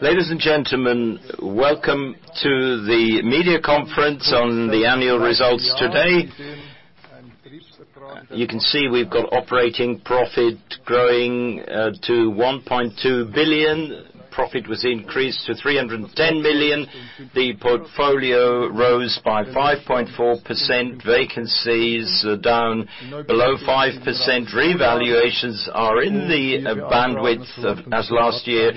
Ladies and gentlemen, welcome to the media conference on the annual results today. You can see we've got operating profit growing to 1.2 billion. Profit was increased to 310 million. The portfolio rose by 5.4%, vacancies are down below 5%, revaluations are in the bandwidth as last year.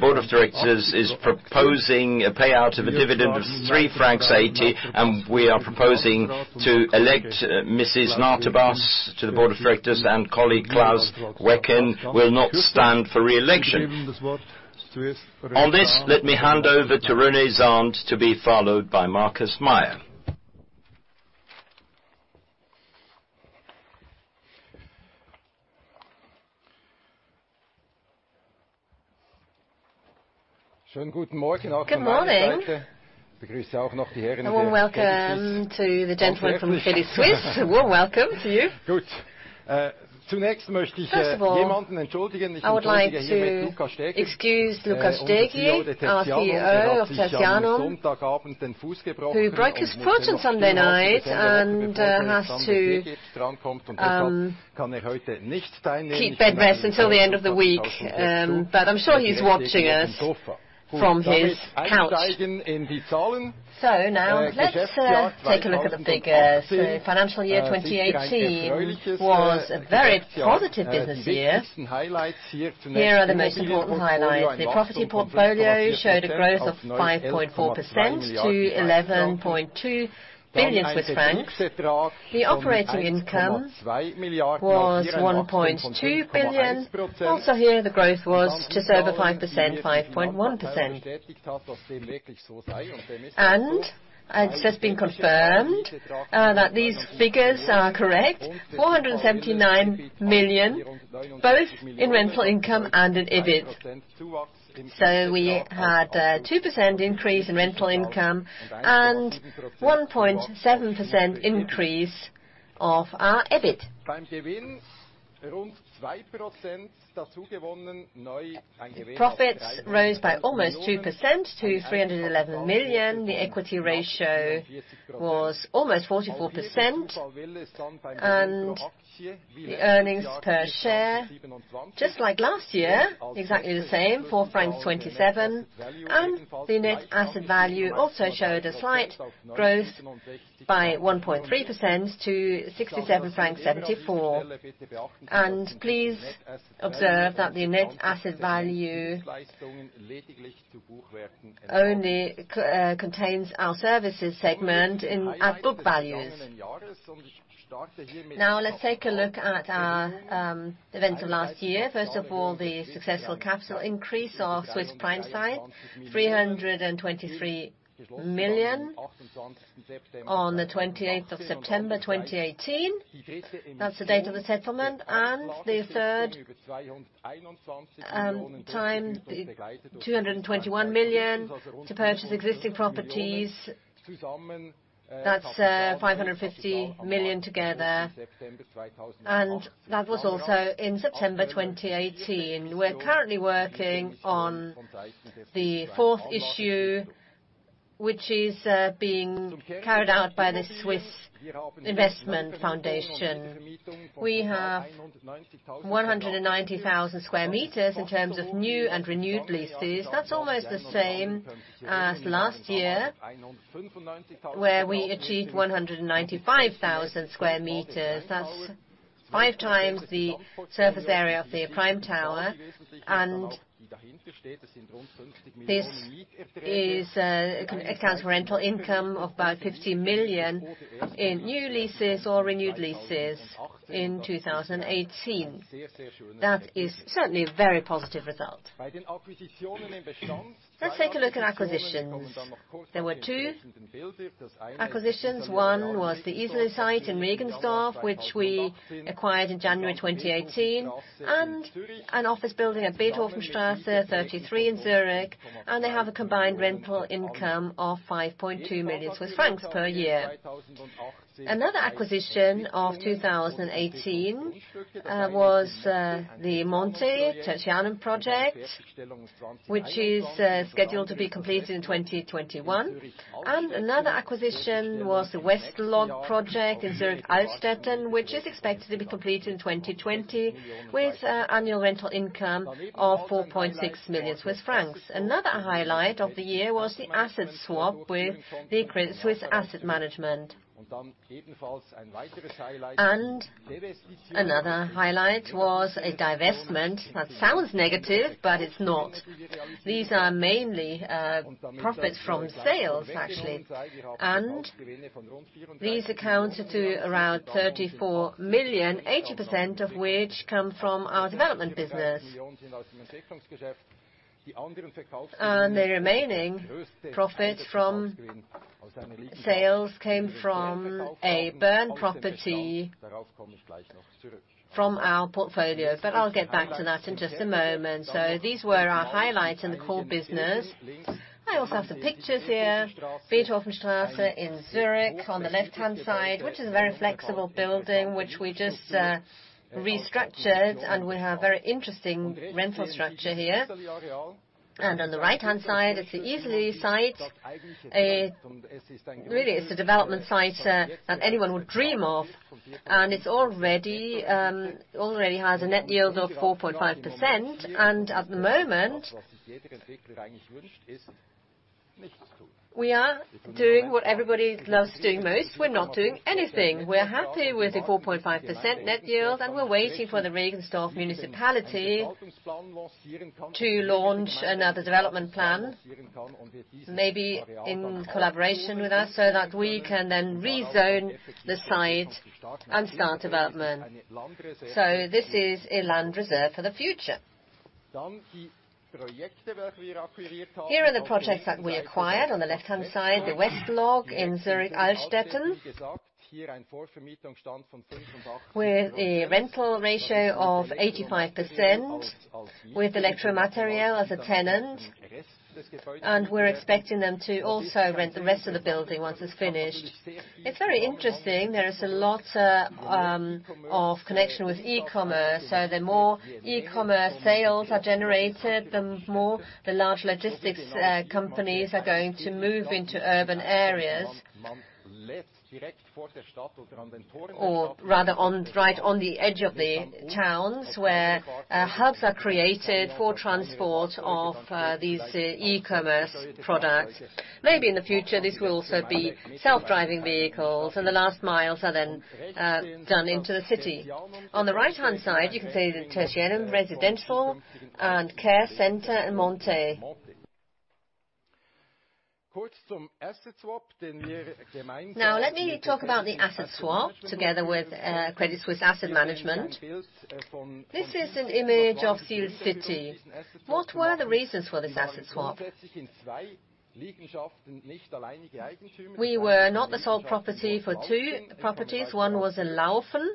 Board of directors is proposing a payout of a dividend of 3.80 francs. We are proposing to elect Mrs. Nater-Bass to the board of directors. Colleague Klaus Wecken will not stand for re-election. On this, let me hand over to René Zahnd to be followed by Markus Meier. Good morning. A warm welcome to the gentlemen from Credit Suisse. Warm welcome to you. First of all, I would like to excuse Luca Stäger, our CEO of Tertianum, who broke his foot on Sunday night and has to keep bed rest until the end of the week. I'm sure he's watching us from his couch. Now let's take a look at the figures. Financial year 2018 was a very positive business year. Here are the most important highlights. The property portfolio showed a growth of 5.4% to 11.2 billion Swiss francs. The operating income was 1.2 billion. Also here, the growth was just over 5%, 5.1%. It has been confirmed that these figures are correct, 479 million, both in rental income and in EBIT. We had 2% increase in rental income and 1.7% increase of our EBIT. Profits rose by almost 2% to 311 million. The equity ratio was almost 44%. The earnings per share, just like last year, exactly the same, 4.27 francs. The net asset value also showed a slight growth by 1.3% to 67.74 francs. Please observe that the net asset value only contains our services segment as book values. Now, let's take a look at our events of last year. First of all, the successful capital increase of Swiss Prime Site, 323 million on the 28th of September 2018. That's the date of the settlement. The third time, the 221 million to purchase existing properties. That's 550 million together. That was also in September 2018. We're currently working on the fourth issue, which is being carried out by the Swiss Prime Anlagestiftung. We have 190,000 square meters in terms of new and renewed leases. That's almost the same as last year, where we achieved 195,000 square meters. That's five times the surface area of the Prime Tower. This accounts for rental income of about 50 million in new leases or renewed leases in 2018. That is certainly a very positive result. Let's take a look at acquisitions. There were two acquisitions. One was the Iseli site in Regensdorf, which we acquired in January 2018, and an office building at Beethovenstrasse 33 in Zurich. They have a combined rental income of 5.2 million Swiss francs per year. Another acquisition of 2018 was the Montet Tertianum project, which is scheduled to be completed in 2021. Another acquisition was the West-Log project in Zurich, Altstetten, which is expected to be completed in 2020 with annual rental income of 4.6 million Swiss francs. Another highlight of the year was the asset swap with Credit Suisse Asset Management. Another highlight was a divestment. That sounds negative, but it is not. These are mainly profits from sales, actually. These accounted to around 34 million, 80% of which come from our development business. The remaining profit from sales came from a Bern property from our portfolio, but I will get back to that in just a moment. These were our highlights in the core business. I also have some pictures here. Beethovenstrasse in Zurich on the left-hand side, which is a very flexible building, which we just restructured, and we have very interesting rental structure here. On the right-hand side, it is the Iseli site. It is a development site that anyone would dream of. It already has a net yield of 4.5%. At the moment, we are doing what everybody loves doing most. We are not doing anything. We are happy with the 4.5% net yield. We are waiting for the Regensdorf municipality to launch another development plan, maybe in collaboration with us so that we can then rezone the site and start development. This is a land reserve for the future. Here are the projects that we acquired. On the left-hand side, the West-Log in Zurich, Altstetten, with a rental ratio of 85%, with Elektro-Material as a tenant. We are expecting them to also rent the rest of the building once it is finished. It is very interesting. There is a lot of connection with e-commerce. The more e-commerce sales are generated, the more the large logistics companies are going to move into urban areas. Or rather, right on the edge of the towns, where hubs are created for transport of these e-commerce products. Maybe in the future, this will also be self-driving vehicles. The last miles are then done into the city. On the right-hand side, you can see the Tertianum residential and care center in Monthey. Let me talk about the asset swap together with Credit Suisse Asset Management. This is an image of Sihlcity. What were the reasons for this asset swap? We were not the sole property for two properties. One was in Laufen,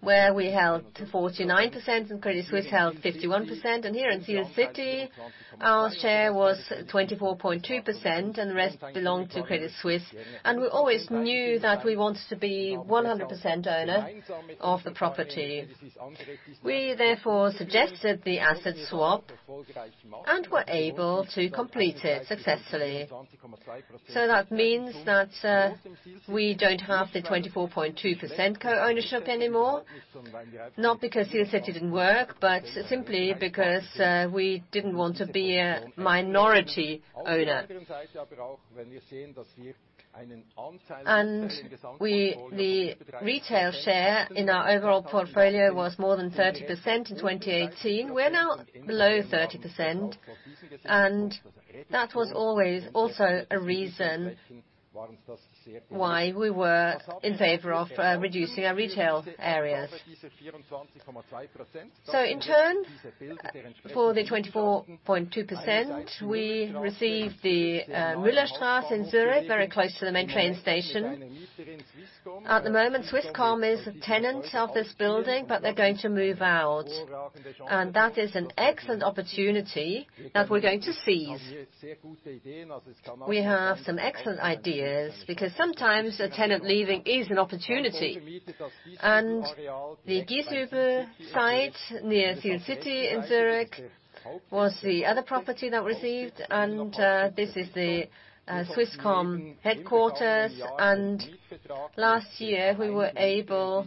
where we held 49%, and Credit Suisse held 51%. Here in Sihlcity, our share was 24.2%, and the rest belonged to Credit Suisse. We always knew that we wanted to be 100% owner of the property. We, therefore, suggested the asset swap and were able to complete it successfully. That means that we do not have the 24.2% co-ownership anymore. Not because Sihlcity did not work, but simply because we did not want to be a minority owner. The retail share in our overall portfolio was more than 30% in 2018. We are now below 30%, and that was always also a reason why we were in favor of reducing our retail areas. In turn, for the 24.2%, we received the Müllerstrasse in Zurich, very close to the main train station. At the moment, Swisscom is a tenant of this building, but they are going to move out. That is an excellent opportunity that we are going to seize. We have some excellent ideas because sometimes a tenant leaving is an opportunity. The Giesshübel site near Sihlcity in Zurich was the other property that we received, and this is the Swisscom headquarters. Last year, we were able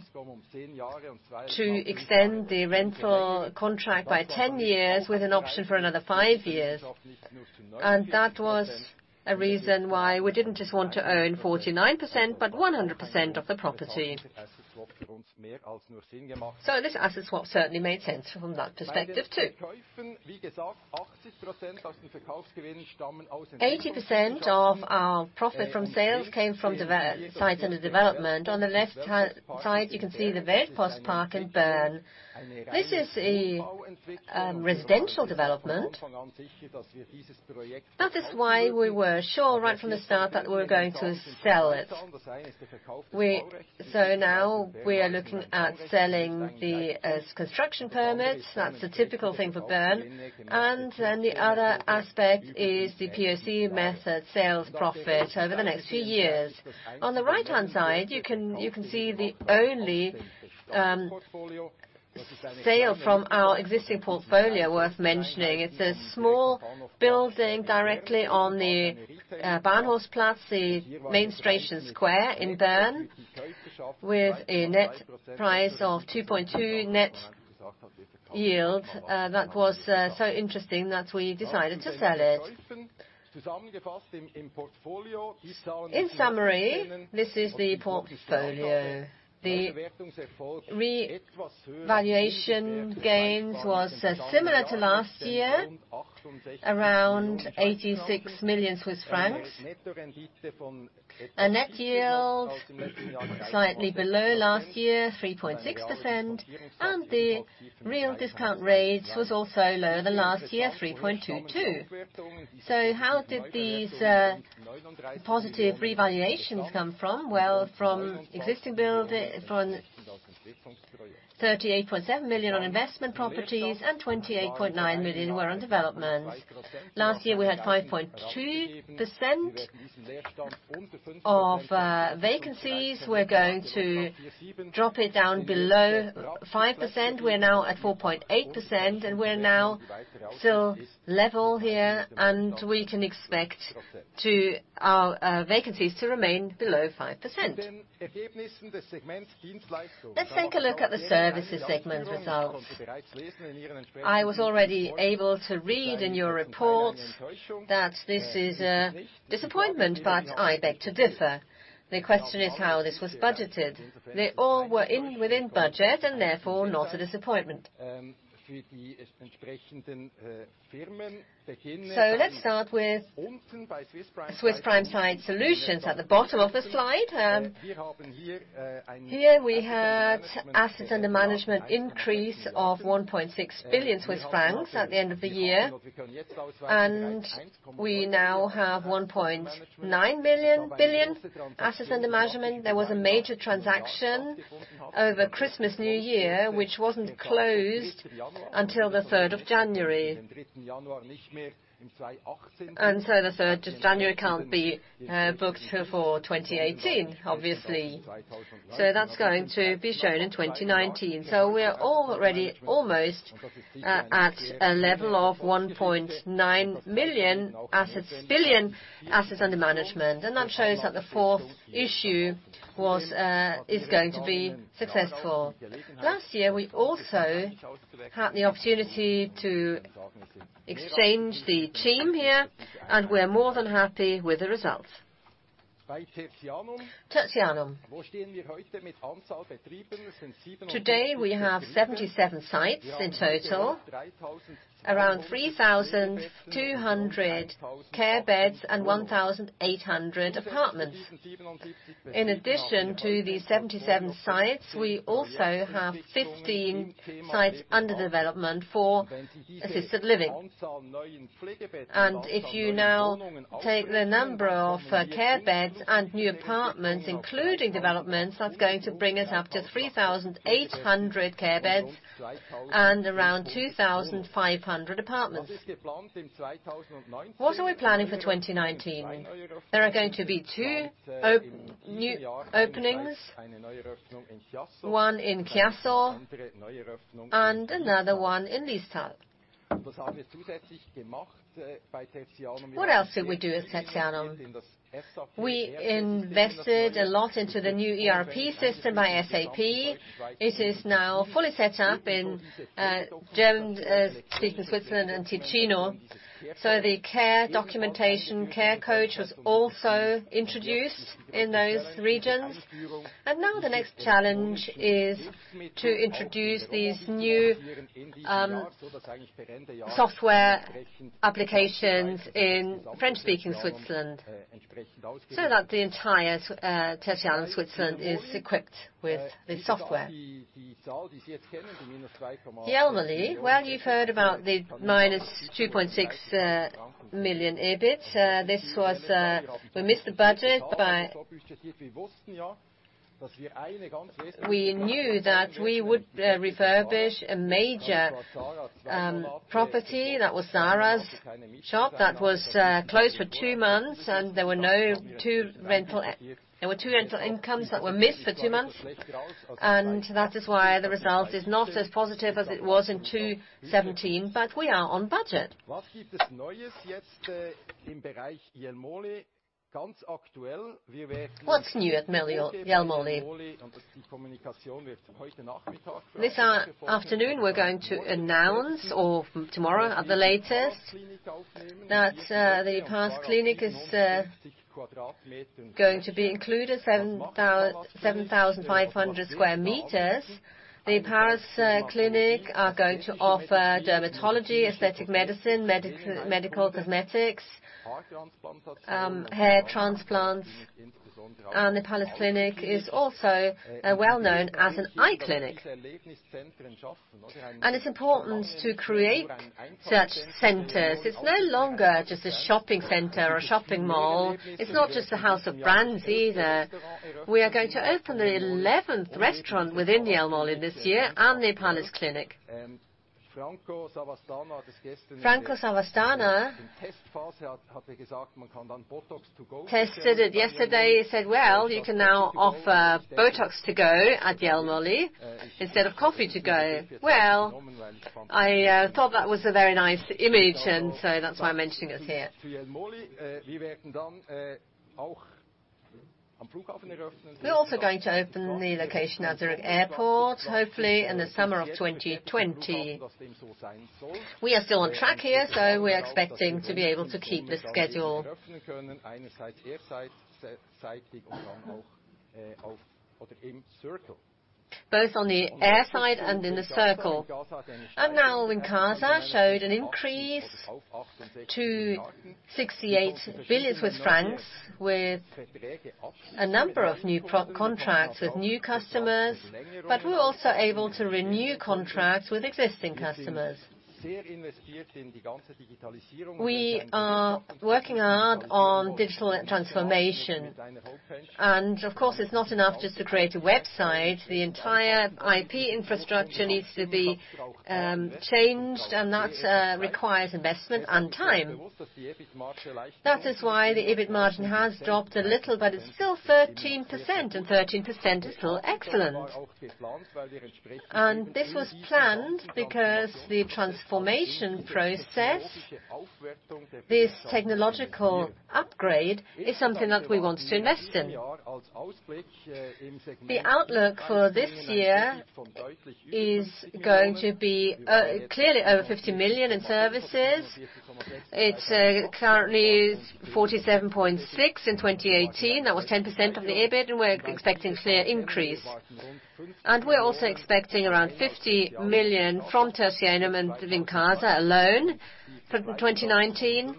to extend the rental contract by 10 years with an option for another 5 years. That was a reason why we didn't just want to own 49%, but 100% of the property. This asset swap certainly made sense from that perspective, too. 80% of our profit from sales came from sites under development. On the left side, you can see the Weltpostpark in Bern. This is a residential development. That is why we were sure right from the start that we were going to sell it. Now we are looking at selling the construction permits. That's a typical thing for Bern. The other aspect is the POC method sales profit over the next few years. On the right-hand side, you can see the only sale from our existing portfolio worth mentioning. It's a small building directly on the Bahnhofplatz, the main station square in Bern, with a net price of 2.2 net yield. That was so interesting that we decided to sell it. In summary, this is the portfolio. The revaluation gains was similar to last year, around 86 million Swiss francs. A net yield slightly below last year, 3.6%, and the real discount rates was also lower than last year, 3.22. How did these positive revaluations come from? Well, from existing 38.7 million on investment properties and 28.9 million were on development. Last year, we had 5.2% of vacancies. We're going to drop it down below 5%. We're now at 4.8%, and we're now still level here, and we can expect our vacancies to remain below 5%. Let's take a look at the services segment results. I was already able to read in your reports that this is a disappointment, but I beg to differ. The question is how this was budgeted. They all were within budget, and therefore not a disappointment. Let's start with Swiss Prime Site Solutions at the bottom of the slide. Here we had assets under management increase of 1.6 billion Swiss francs at the end of the year. We now have 1.9 billion assets under management. There was a major transaction over Christmas, New Year, which wasn't closed until the 3rd of January. The 3rd of January can't be booked for 2018, obviously. That's going to be shown in 2019. We are already almost at a level of 1.9 billion assets under management. That shows that the fourth issue is going to be successful. Last year, we also had the opportunity to exchange the team here, and we're more than happy with the results. Tertianum. Today, we have 77 sites in total. Around 3,200 care beds and 1,800 apartments. In addition to the 77 sites, we also have 15 sites under development for assisted living. If you now take the number of care beds and new apartments, including developments, that's going to bring us up to 3,800 care beds and around 2,500 apartments. What are we planning for 2019? There are going to be two new openings, one in Chiasso and another one in Liestal. What else did we do at Tertianum? We invested a lot into the new ERP system by SAP. It is now fully set up in German-speaking Switzerland and Ticino. The care documentation, care.coach was also introduced in those regions. The next challenge is to introduce these new software applications in French-speaking Switzerland, so that the entire Tertianum Switzerland is equipped with the software. Jelmoli, well, you've heard about the minus 2.6 million EBIT. We missed the budget, but we knew that we would refurbish a major property, that was ZARA's shop, that was closed for 2 months, and there were 2 rental incomes that were missed for 2 months. That is why the result is not as positive as it was in 2017, but we are on budget. What's new at Jelmoli? This afternoon, we're going to announce, or tomorrow at the latest, that Pallas Kliniken are going to be included, 7,500 sq m. Pallas Kliniken are going to offer dermatology, aesthetic medicine, medical cosmetics, hair transplants. Pallas Kliniken are also well-known as an eye clinic. It's important to create such centers. It's no longer just a shopping center or a shopping mall. It's not just the house of brands either. We are going to open the 11th restaurant within Jelmoli this year and Pallas Kliniken. Franco Savastano tested it yesterday. He said, "Well, you can now offer Botox to go at Jelmoli instead of coffee to go." I thought that was a very nice image, that's why I'm mentioning it here. We're also going to open the location at Zurich Airport, hopefully in the summer of 2020. We are still on track here. We are expecting to be able to keep the schedule. Both on the air side and in the circle. Wincasa showed an increase to 68 billion francs with a number of new contracts with new customers, but we're also able to renew contracts with existing customers. We are working hard on digital transformation. Of course, it's not enough just to create a website. The entire IP infrastructure needs to be changed, and that requires investment and time. That is why the EBIT margin has dropped a little, but it's still 13%, and 13% is still excellent. This was planned because the transformation process, this technological upgrade, is something that we want to invest in. The outlook for this year is going to be clearly over 50 million in services. It's currently 47.6 million in 2018. That was 10% of the EBIT, and we're expecting a clear increase. We're also expecting around 50 million from Tertianum and Wincasa alone for 2019.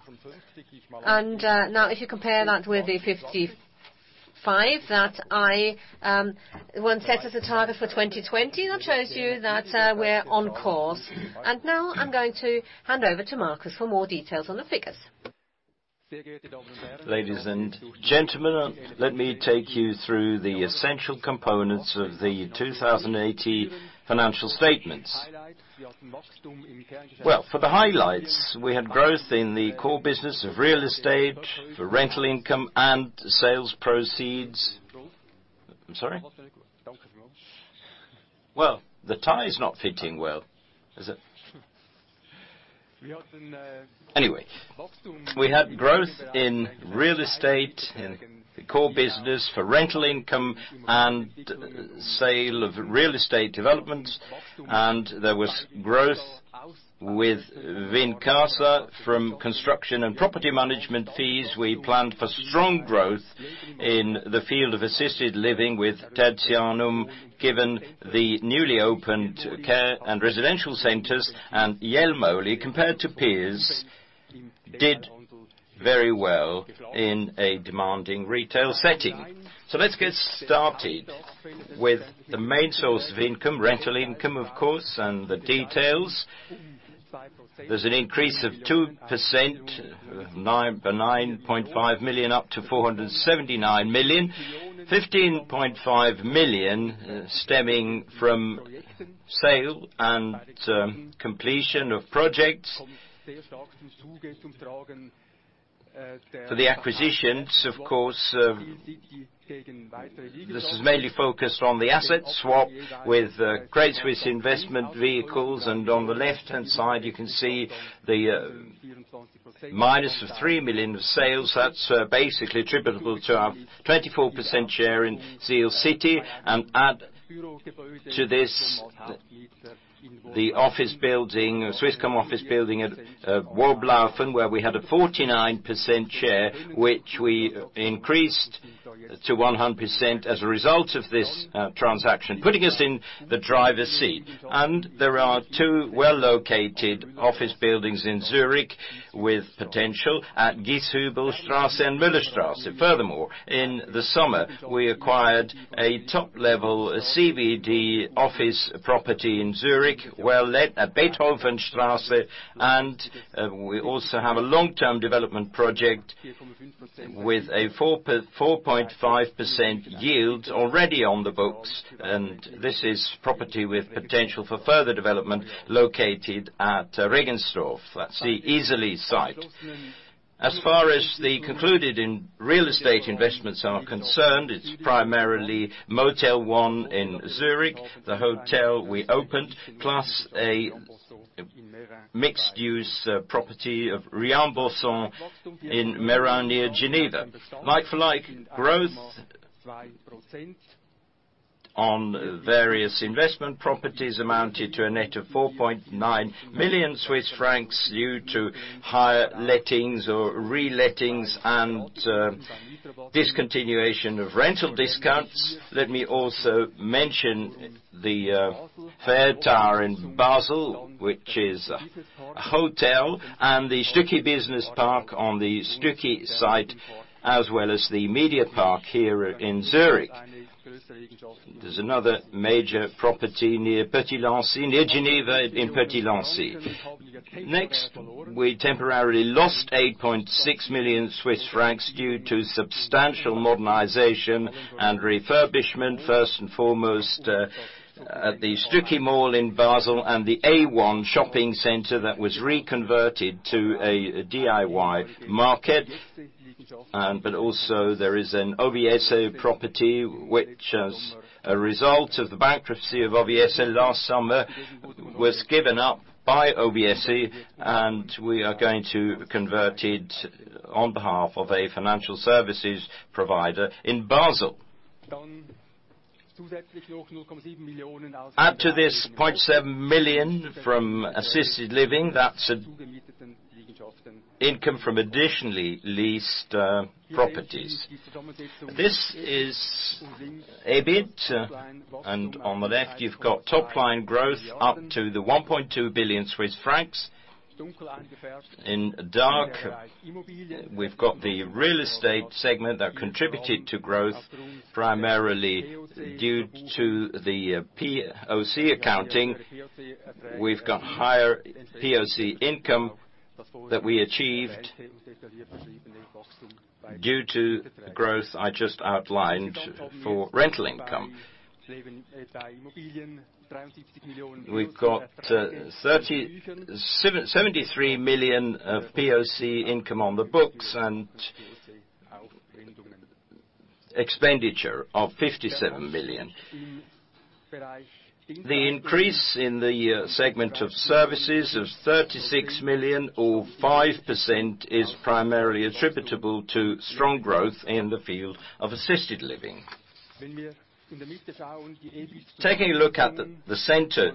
If you compare that with the 55 million that I once set as a target for 2020, that shows you that we're on course. I'm going to hand over to Markus for more details on the figures. Ladies and gentlemen, let me take you through the essential components of the 2018 financial statements. For the highlights, we had growth in the core business of real estate, for rental income and sales proceeds. I'm sorry? The tie is not fitting well, is it? Anyway, we had growth in real estate, in the core business for rental income and sale of real estate developments. There was growth with Wincasa from construction and property management fees. We planned for strong growth in the field of assisted living with Tertianum, given the newly opened care and residential centers, and Jelmoli, compared to peers, did very well in a demanding retail setting. Let's get started with the main source of income, rental income, of course, and the details. There is an increase of 2%, 9.5 million up to 479 million, 15.5 million stemming from sale and completion of projects. For the acquisitions, of course, this is mainly focused on the asset swap with Credit Suisse investment vehicles. On the left-hand side, you can see the minus of 3 million of sales. That is basically attributable to our 24% share in Sihlcity. Add to this, the Swisscom office building at Worblaufen, where we had a 49% share, which we increased to 100% as a result of this transaction, putting us in the driver's seat. There are two well-located office buildings in Zurich with potential at Giesshübelstrasse and Müllerstrasse. Furthermore, in the summer, we acquired a top-level CBD office property in Zurich, well let at Beethovenstrasse. We also have a long-term development project with a 4.5% yield already on the books, and this is property with potential for further development located at Regensdorf. That is the Iseli site. As far as the concluded end real estate investments are concerned, it is primarily Motel One in Zurich, the hotel we opened, plus a mixed-use property of Riambosson in Meyrin near Geneva. Like for like growth on various investment properties amounted to a net of 4.9 million Swiss francs due to higher lettings or relettings and discontinuation of rental discounts. Let me also mention the Messe Tower in Basel, which is a hotel, and the Stücki Business Park on the Stücki site, as well as the Media Park here in Zurich. There is another major property near Petit-Lancy, near Geneva in Petit-Lancy. We temporarily lost 8.6 million Swiss francs due to substantial modernization and refurbishment, first and foremost, at the Stücki Mall in Basel and the A1 shopping center that was reconverted to a DIY market. Also there is an OVS property, which as a result of the bankruptcy of OVS last summer, was given up by OVS, and we are going to convert it on behalf of a financial services provider in Basel. Add to this 0.7 million from assisted living. That is income from additionally leased properties. This is EBIT. On the left, you have top-line growth up to the 1.2 billion Swiss francs. In dark, we have the real estate segment that contributed to growth, primarily due to the POC accounting. We have higher POC income that we achieved due to growth I just outlined for rental income. We have 73 million of POC income on the books and expenditure of 57 million. The increase in the segment of services of 36 million or 5% is primarily attributable to strong growth in the field of assisted living. Taking a look at the center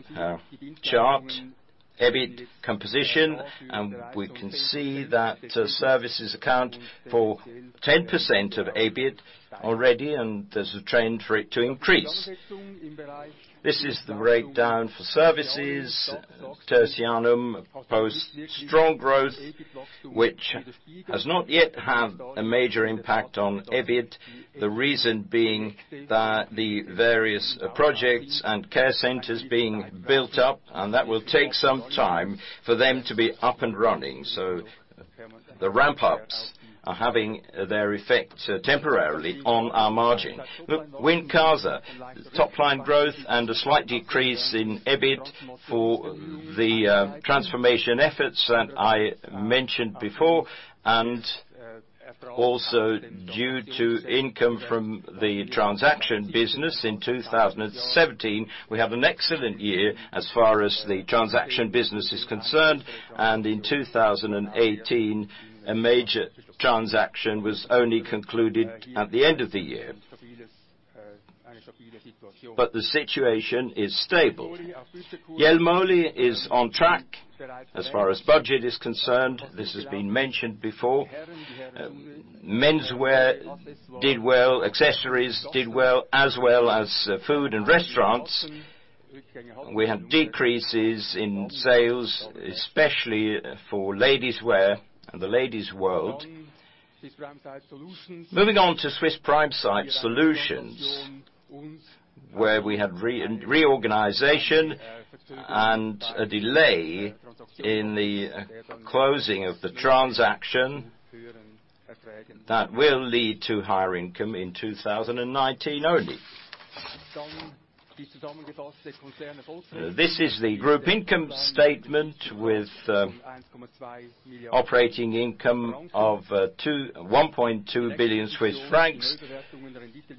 chart, EBIT composition, there's a trend for it to increase. Services account for 10% of EBIT already. This is the breakdown for services. Tertianum posts strong growth, which has not yet had a major impact on EBIT. The reason being that the various projects and care centers being built up, that will take some time for them to be up and running. The ramp-ups are having their effect temporarily on our margin. Wincasa, top-line growth, and a slight decrease in EBIT for the transformation efforts that I mentioned before, and also due to income from the transaction business in 2017. We have an excellent year as far as the transaction business is concerned, and in 2018, a major transaction was only concluded at the end of the year. The situation is stable. Jelmoli is on track as far as budget is concerned. This has been mentioned before. Menswear did well, accessories did well, as well as food and restaurants. We had decreases in sales, especially for ladies' wear and the ladies' world. Swiss Prime Site Solutions, where we had reorganization and a delay in the closing of the transaction that will lead to higher income in 2019 only. The group income statement with operating income of 1.2 billion Swiss francs.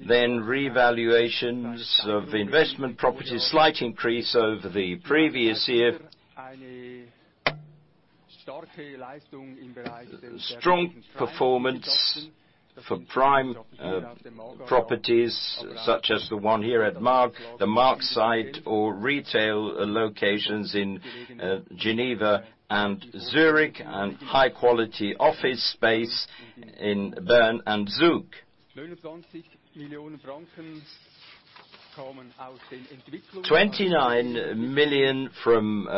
Then revaluations of investment properties, slight increase over the previous year. Strong performance for prime properties, such as the one here at Maag, the Maag site, or retail locations in Geneva and Zurich, and high-quality office space in Bern and Zug. 29 million from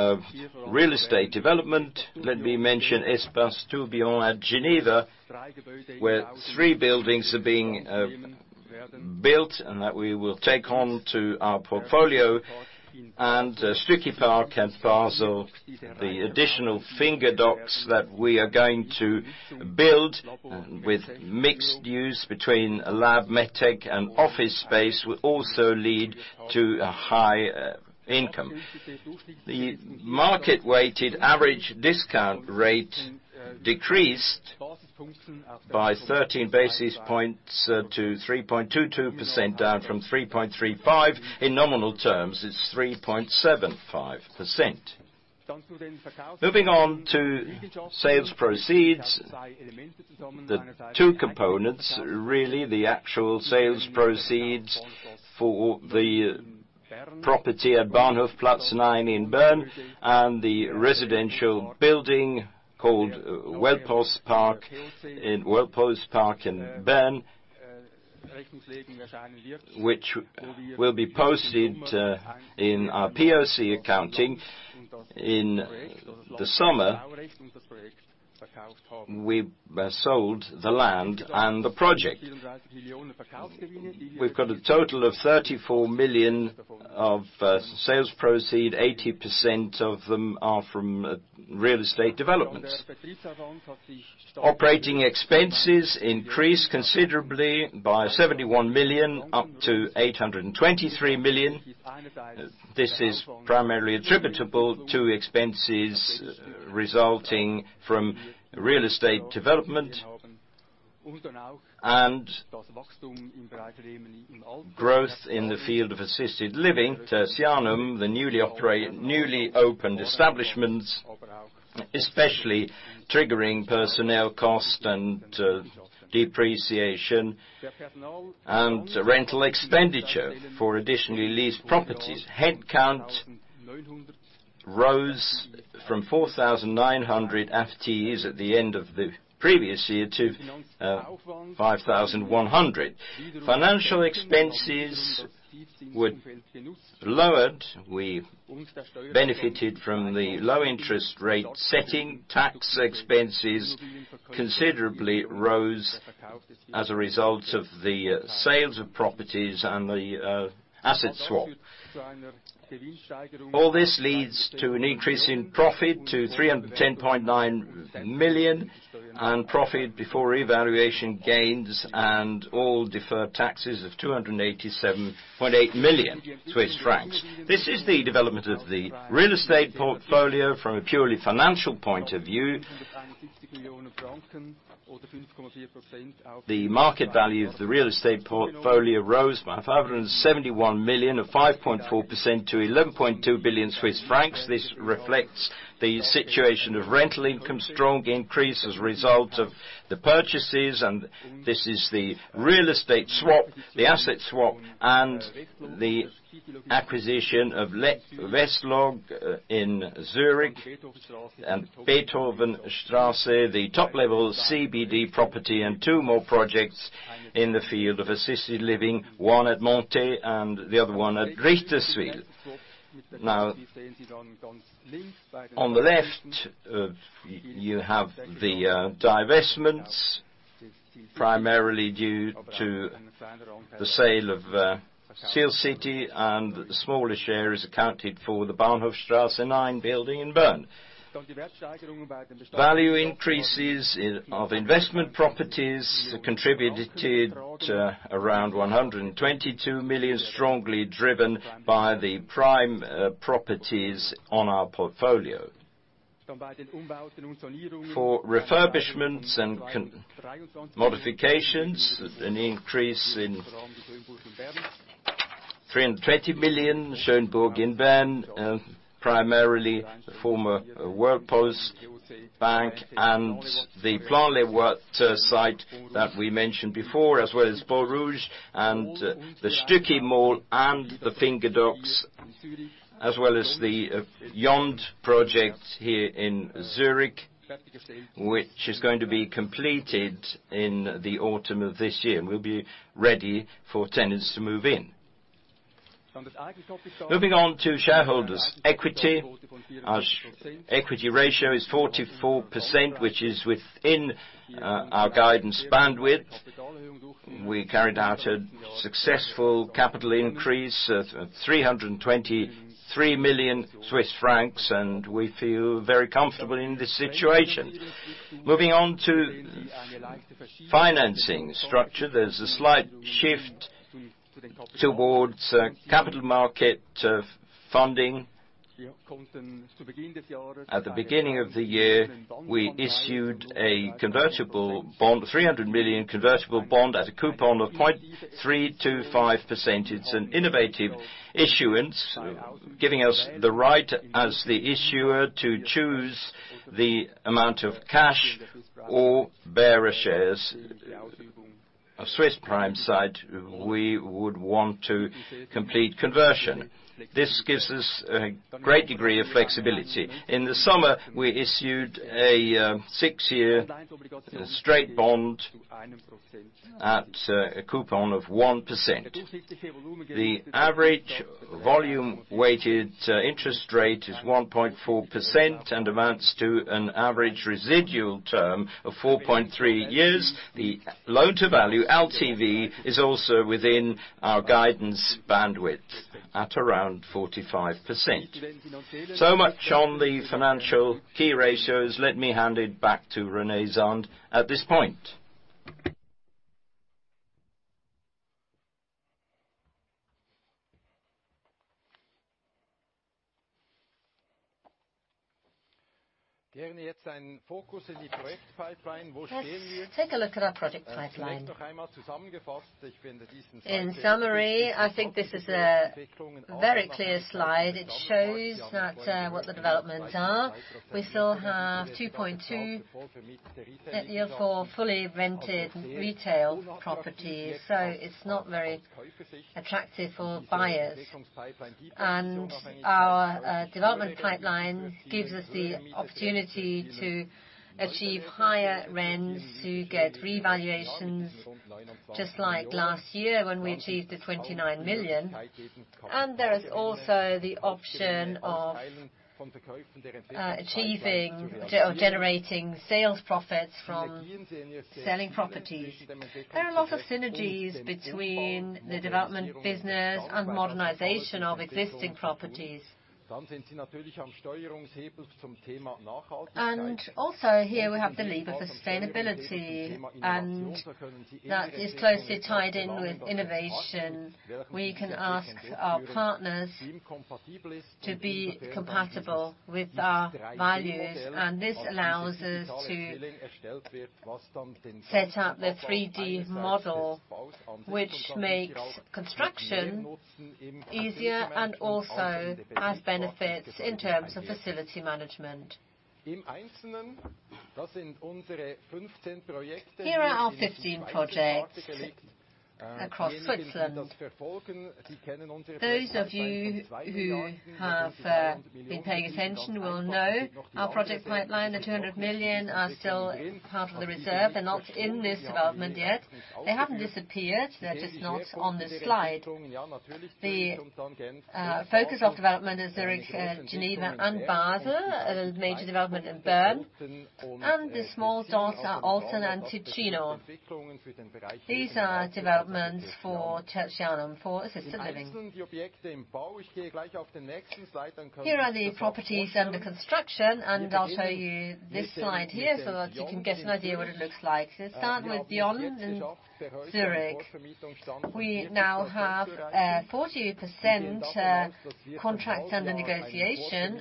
real estate development. Espace Tourbillon at Geneva, where three buildings are being built and that we will take home to our portfolio. Stücki Park at Basel, the additional Finger Docks that we are going to build with mixed use between lab, med tech, and office space will also lead to high income. The market-weighted average discount rate decreased by 13 basis points to 3.22%, down from 3.35%. In nominal terms, it's 3.75%. Sales proceeds. The two components, the actual sales proceeds for the property at Bahnhofplatz 9 in Bern and the residential building called Weltpostpark in Bern, which will be posted in our POC accounting in the summer. We sold the land and the project. We've got a total of 34 million of sales proceed, 80% of them are from real estate developments. Operating expenses increased considerably by 71 million, up to 823 million. Primarily attributable to expenses resulting from real estate development and growth in the field of assisted living. Tertianum, the newly opened establishmentsEspecially triggering personnel cost and depreciation, and rental expenditure for additionally leased properties. Headcount rose from 4,900 FTEs at the end of the previous year to 5,100 FTEs. Financial expenses were lowered. We benefited from the low interest rate setting. Tax expenses considerably rose as a result of the sales of properties and the asset swap. This leads to an increase in profit to 310.9 million and profit before evaluation gains and all deferred taxes of 287.8 million Swiss francs. The development of the real estate portfolio from a purely financial point of view. The market value of the real estate portfolio rose by 571 million of 5.4% to 11.2 billion Swiss francs. This reflects the situation of rental income, strong increase as a result of the purchases, this is the real estate swap, the asset swap, and the acquisition of West-Log in Zurich and Beethoven-Straße, the top level CBD property, and two more projects in the field of assisted living, one at Montet and the other one at Richterswil. On the left, you have the divestments, primarily due to the sale of Sihlcity, and the smaller share is accounted for the Bahnhofstrasse 9 building in Bern. Value increases of investment properties contributed to around 122 million, strongly driven by the prime properties on our portfolio. For refurbishments and modifications, an increase in 320 million, Schönburg in Bern, primarily the former World Post Bank and the Plan-les-Ouates site that we mentioned before, as well as Beau-Rivage and the Stücki Mall and the Finger Docks, as well as the Yond project here in Zurich, which is going to be completed in the autumn of this year, and we'll be ready for tenants to move in. Moving on to shareholders. Equity ratio is 44%, which is within our guidance bandwidth. We carried out a successful capital increase of 323 million Swiss francs, and we feel very comfortable in this situation. Moving on to financing structure, there's a slight shift towards capital market funding. At the beginning of the year, we issued a convertible bond, 300 million convertible bond at a coupon of 0.325%. It's an innovative issuance, giving us the right as the issuer to choose the amount of cash or bearer shares of Swiss Prime Site, we would want to complete conversion. This gives us a great degree of flexibility. In the summer, we issued a six-year straight bond at a coupon of 1%. The average volume weighted interest rate is 1.4% and amounts to an average residual term of 4.3 years. The loan-to-value, LTV, is also within our guidance bandwidth at around 45%. Much on the financial key ratios. Let me hand it back to René Zahnd at this point. Take a look at our project pipeline. In summary, I think this is a very clear slide. It shows what the developments are. We still have 2.2 net yield for fully rented retail properties, so it's not very attractive for buyers. Our development pipeline gives us the opportunity to achieve higher rents to get revaluations just like last year when we achieved the 29 million. There is also the option of achieving or generating sales profits from selling properties. There are lots of synergies between the development business and modernization of existing properties. Also here we have the lever for sustainability, and that is closely tied in with innovation. We can ask our partners to be compatible with our values, and this allows us to set up the 3D model, which makes construction easier and also has benefits in terms of facility management. Here are our 15 projects across Switzerland. Those of you who have been paying attention will know our project pipeline, the 200 million are still part of the reserve. They're not in this development yet. They haven't disappeared, they're just not on this slide. The focus of development is Zurich, Geneva, and Basel, a major development in Bern, and the small dots are Olten and Ticino. These are developments for Tertianum, for assisted living. Here are the properties under construction, and I'll show you this slide here so that you can get an idea what it looks like. Let's start with Yond in Zurich. We now have 40% contracts under negotiation,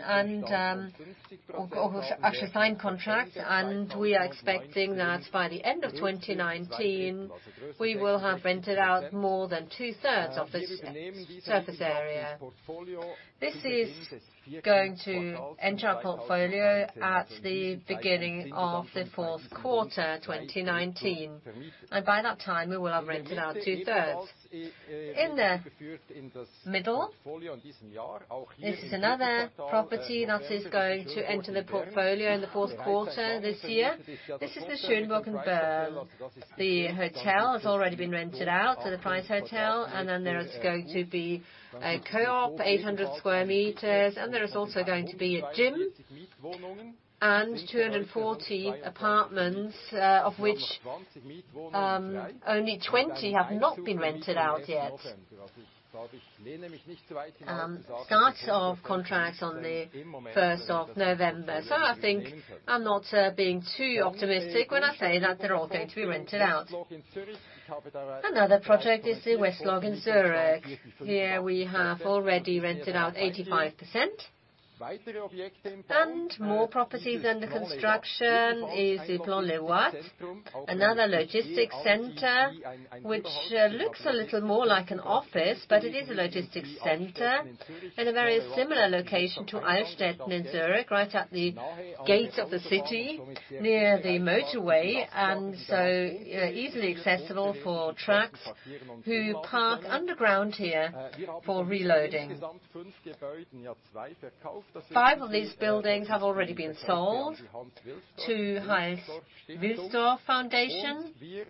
or actually signed contracts. And we are expecting that by the end of 2019, we will have rented out more than two-thirds of this surface area. This is going to enter our portfolio at the beginning of the fourth quarter 2019. By that time, we will have rented out two-thirds. In the middle is another property that is going to enter the portfolio in the fourth quarter this year. This is the Schönburg in Bern. The hotel has already been rented out to the Prizeotel, and there is going to be a Coop, 800 square meters, and there is also going to be a gym and 240 apartments, of which only 20 have not been rented out yet. Start of contracts on the 1st of November. I think I'm not being too optimistic when I say that they're all going to be rented out. Another project is the West-Log in Zurich. Here we have already rented out 85%. More properties under construction is the Plan-les-Ouates, another logistics center, which looks a little more like an office, but it is a logistics center in a very similar location to Altstetten in Zurich, right at the gates of the city, near the motorway, and so easily accessible for trucks who park underground here for reloading. Five of these buildings have already been sold to Hans Wilsdorf Foundation. This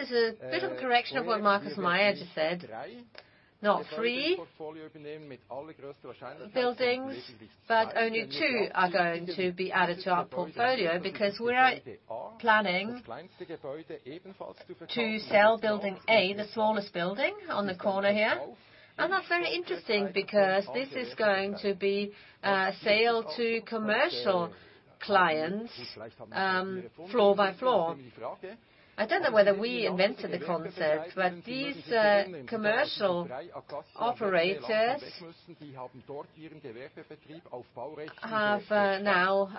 is a bit of a correction of what Markus Meier just said. Not three buildings, but only two are going to be added to our portfolio because we are planning to sell building A, the smallest building on the corner here. That's very interesting because this is going to be sale to commercial clients floor by floor. I don't know whether we invented the concept, but these commercial operators are now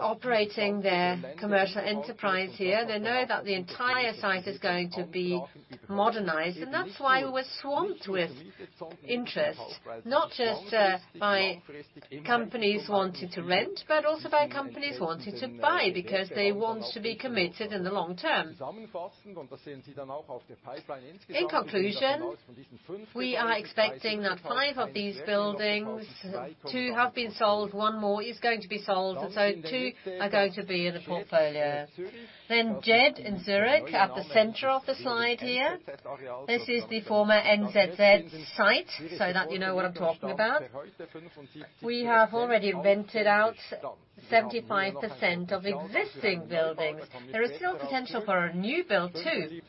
operating their commercial enterprise here. They know that the entire site is going to be modernized, and that's why we're swamped with interest, not just by companies wanting to rent, but also by companies wanting to buy, because they want to be committed in the long term. In conclusion, we are expecting that five of these buildings, two have been sold, one more is going to be sold, and so two are going to be in the portfolio. Yond in Zurich at the center of the slide here. This is the former NZZ site, so that you know what I'm talking about. We have already rented out 75% of existing buildings. There is still potential for a new build, too.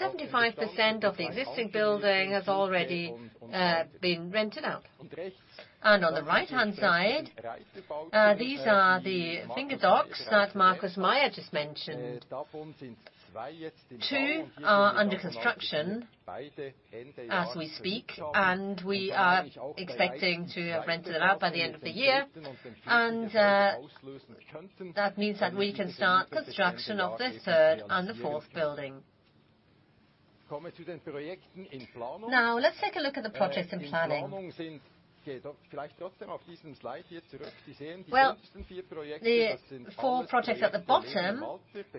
75% of the existing building has already been rented out. On the right-hand side, these are the Finger Docks that Markus Meier just mentioned. Two are under construction as we speak, we are expecting to have rented out by the end of the year. That means that we can start construction of the third and the fourth building. Let's take a look at the projects in planning. Well, the four projects at the bottom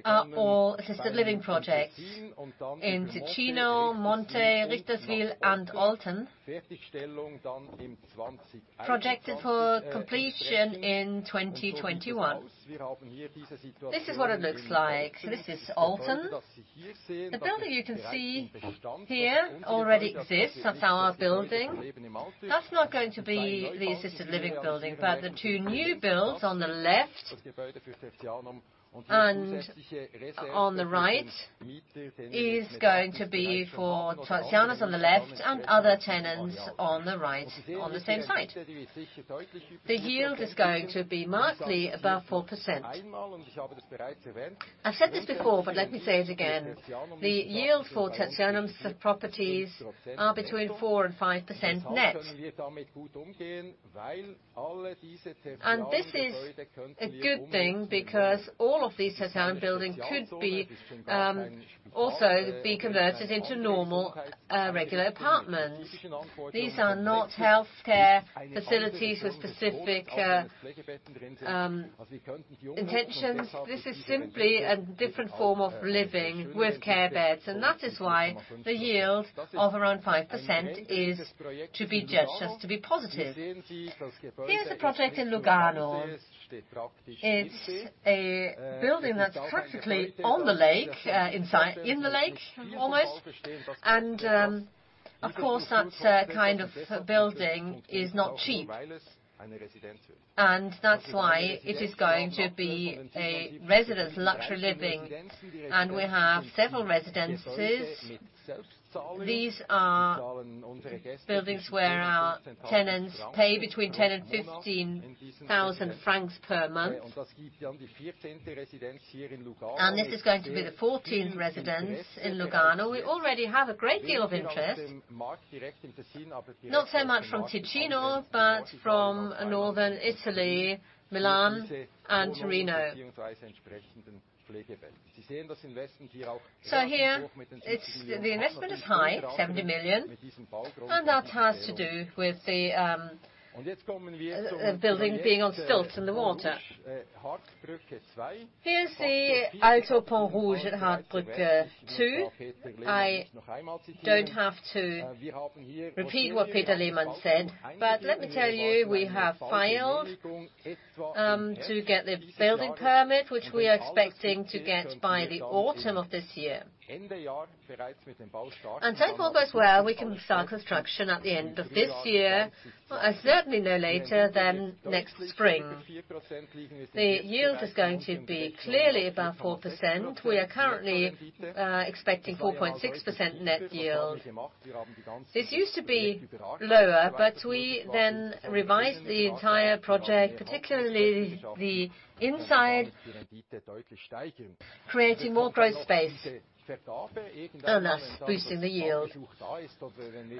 are all assisted living projects in Ticino, Montet, Richterswil, and Olten, projected for completion in 2021. This is what it looks like. This is Olten. The building you can see here already exists. That's our building. That's not going to be the assisted living building, but the two new builds on the left and on the right is going to be for Tertianum on the left and other tenants on the right on the same site. The yield is going to be markedly above 4%. I've said this before, let me say it again. The yield for Tertianum's properties are between 4% and 5% net. This is a good thing because all of these Tertianum buildings could also be converted into normal, regular apartments. These are not healthcare facilities with specific intentions. This is simply a different form of living with care beds, and that is why the yield of around 5% is to be judged as to be positive. Here's a project in Lugano. It's a building that's practically on the lake, in the lake almost. Of course, that kind of building is not cheap, and that's why it is going to be a residence luxury living, and we have several residences. These are buildings where our tenants pay between 10,000 and 15,000 francs per month. This is going to be the 14th residence in Lugano. We already have a great deal of interest, not so much from Ticino, but from Northern Italy, Milan and Torino. Here, the investment is high, 70 million, and that has to do with the building being on stilts in the water. Here is the Alto Pont-Rouge at Hardbrücke two. I don't have to repeat what Peter Lehmann said, but let me tell you, we have filed to get the building permit, which we are expecting to get by the autumn of this year. If all goes well, we can start construction at the end of this year, certainly no later than next spring. The yield is going to be clearly above 4%. We are currently expecting 4.6% net yield. This used to be lower, but we then revised the entire project, particularly the inside, creating more gross space, and thus boosting the yield.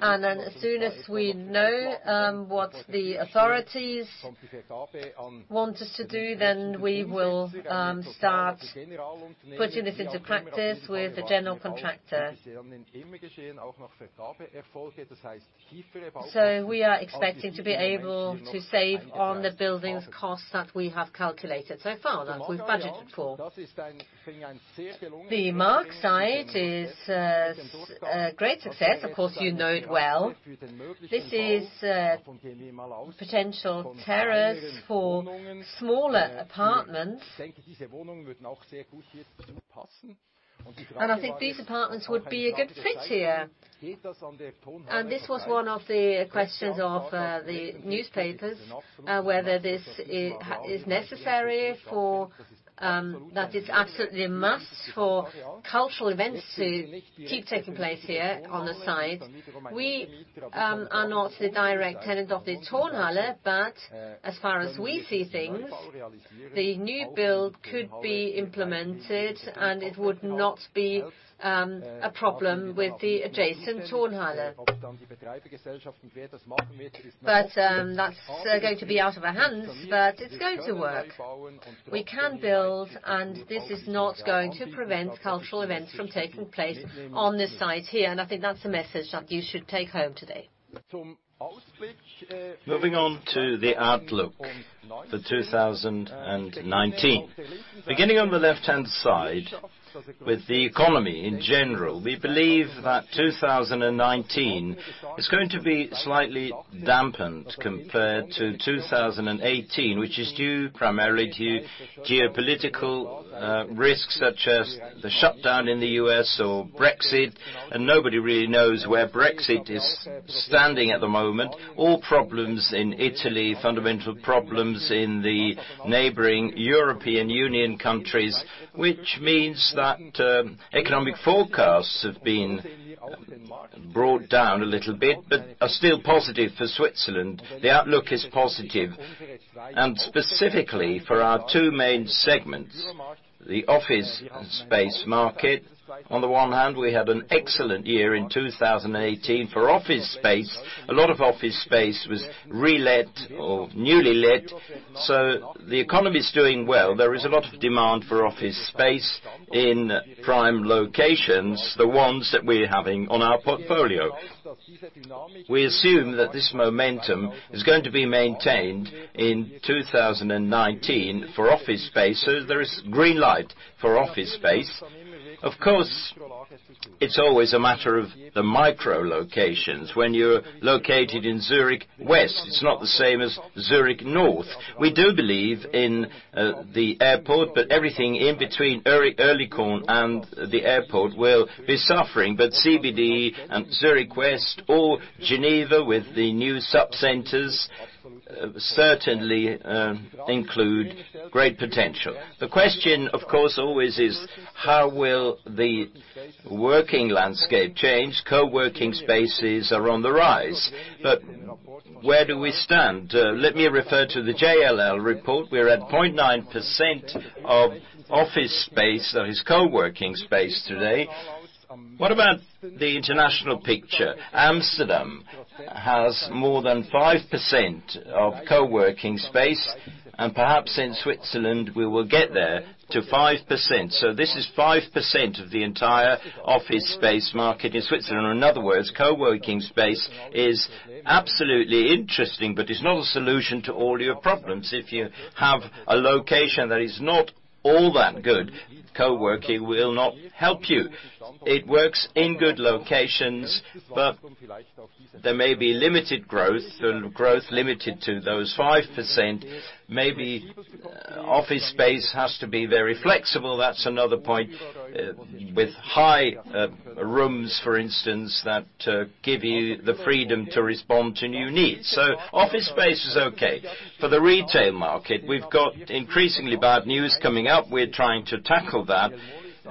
As soon as we know what the authorities want us to do, then we will start putting this into practice with a general contractor. We are expecting to be able to save on the building costs that we have calculated so far, that we've budgeted for. The Maag site is a great success. Of course, you know it well. This is potential terrace for smaller apartments. I think these apartments would be a good fit here. This was one of the questions of the newspapers, whether this is necessary that it's absolutely a must for cultural events to keep taking place here on the site. We are not the direct tenant of the Tonhalle, but as far as we see things, the new build could be implemented and it would not be a problem with the adjacent Tonhalle. That's going to be out of our hands, but it's going to work. We can build, and this is not going to prevent cultural events from taking place on this site here, and I think that's a message that you should take home today. Moving on to the outlook for 2019. Beginning on the left-hand side, with the economy in general, we believe that 2019 is going to be slightly dampened compared to 2018, which is due primarily to geopolitical risks such as the shutdown in the U.S. or Brexit, nobody really knows where Brexit is standing at the moment. All problems in Italy, fundamental problems in the neighboring European Union countries, which means that economic forecasts have been brought down a little bit, but are still positive for Switzerland. The outlook is positive, and specifically for our two main segments, the office space market. On the one hand, we had an excellent year in 2018 for office space. A lot of office space was re-let or newly let. The economy is doing well. There is a lot of demand for office space in prime locations, the ones that we're having on our portfolio. We assume that this momentum is going to be maintained in 2019 for office space. There is green light for office space. Of course, it's always a matter of the micro locations. When you're located in Zurich West, it's not the same as Zurich North. We do believe in the airport, but everything in between Oerlikon and the airport will be suffering. CBD and Zurich West or Geneva with the new subcenters certainly include great potential. The question, of course, always is how will the working landscape change? Co-working spaces are on the rise. Where do we stand? Let me refer to the JLL report. We are at 0.9% of office space, that is co-working space today. What about the international picture? Amsterdam has more than 5% of co-working space, perhaps in Switzerland, we will get there to 5%. This is 5% of the entire office space market in Switzerland. In other words, co-working space is absolutely interesting, but it's not a solution to all your problems. If you have a location that is not all that good, co-working will not help you. It works in good locations, but there may be limited growth, and growth limited to those 5%. Maybe office space has to be very flexible. That's another point. With high rooms, for instance, that give you the freedom to respond to new needs. Office space is okay. For the retail market, we've got increasingly bad news coming up. We're trying to tackle that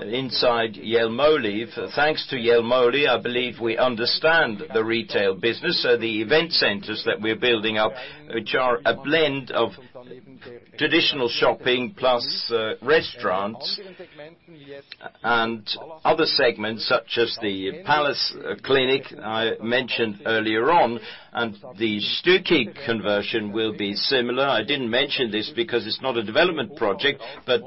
inside Jelmoli. Thanks to Jelmoli, I believe we understand the retail business. The event centers that we're building up, which are a blend of traditional shopping plus restaurants and other segments such as the Pallas Kliniken, I mentioned earlier on. The Stücki conversion will be similar. I didn't mention this because it's not a development project, but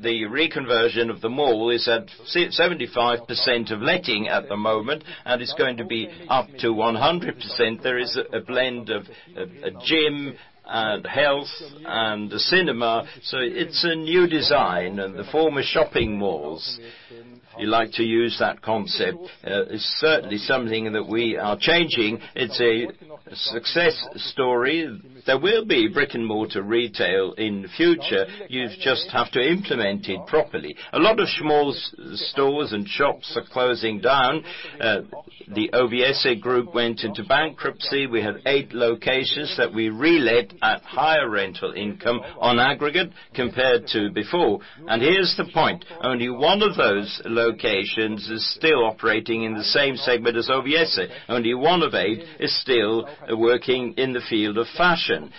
the reconversion of the mall is at 75% of letting at the moment, and it's going to be up to 100%. There is a blend of a gym, and health, and a cinema. It's a new design. The former shopping malls, if you like to use that concept, is certainly something that we are changing. It's a success story. There will be brick-and-mortar retail in the future. You just have to implement it properly. A lot of small stores and shops are closing down. The OVS group went into bankruptcy. We had eight locations that we re-let at higher rental income on aggregate compared to before. Here's the point, only one of those locations is still operating in the same segment as OVS. Only one of eight is still working in the field of fashion.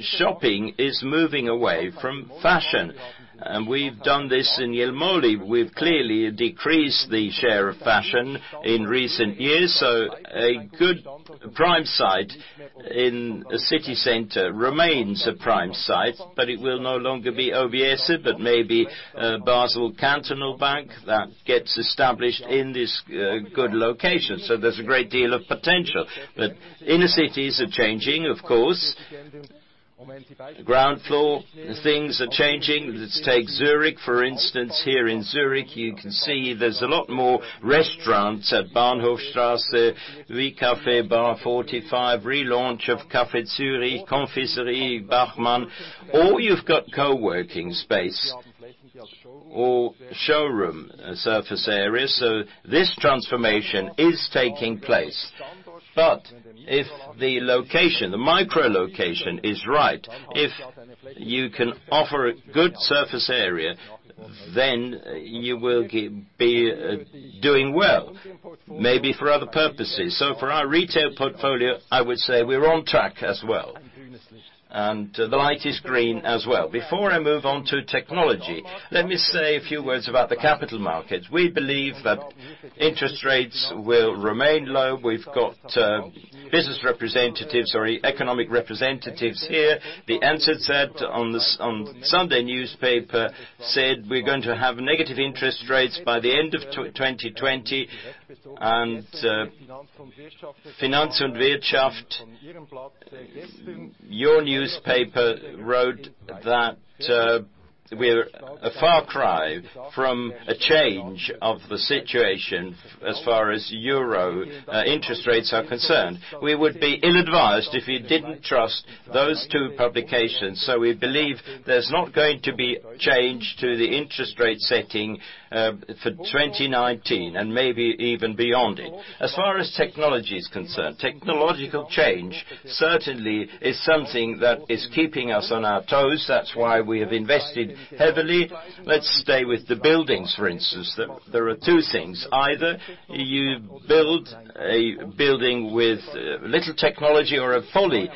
Shopping is moving away from fashion. We've done this in Jelmoli. We've clearly decreased the share of fashion in recent years. A good prime site in a city center remains a prime site, but it will no longer be OVS, but maybe a Basler Kantonalbank that gets established in this good location. There's a great deal of potential. But inner cities are changing, of course. Ground floor things are changing. Let's take Zurich, for instance. Here in Zurich, you can see there's a lot more restaurants at Bahnhofstrasse. We Café Bar 45, relaunch of Café Zurich, Confiserie Bachmann. You've got co-working space or showroom surface area. This transformation is taking place. But if the location, the micro location is right, if you can offer a good surface area, then you will be doing well. Maybe for other purposes. For our retail portfolio, I would say we're on track as well, and the light is green as well. Before I move on to technology, let me say a few words about the capital markets. We believe that interest rates will remain low. We've got business representatives or economic representatives here. The NZZ am Sonntag newspaper said we're going to have negative interest rates by the end of 2020. Finanz und Wirtschaft, your newspaper wrote that we're a far cry from a change of the situation as far as euro interest rates are concerned. We would be ill-advised if we didn't trust those two publications. We believe there's not going to be change to the interest rate setting for 2019, and maybe even beyond it. As far as technology is concerned, technological change certainly is something that is keeping us on our toes. That's why we have invested heavily. Let's stay with the buildings, for instance. There are two things. Either you build a building with little technology or a fully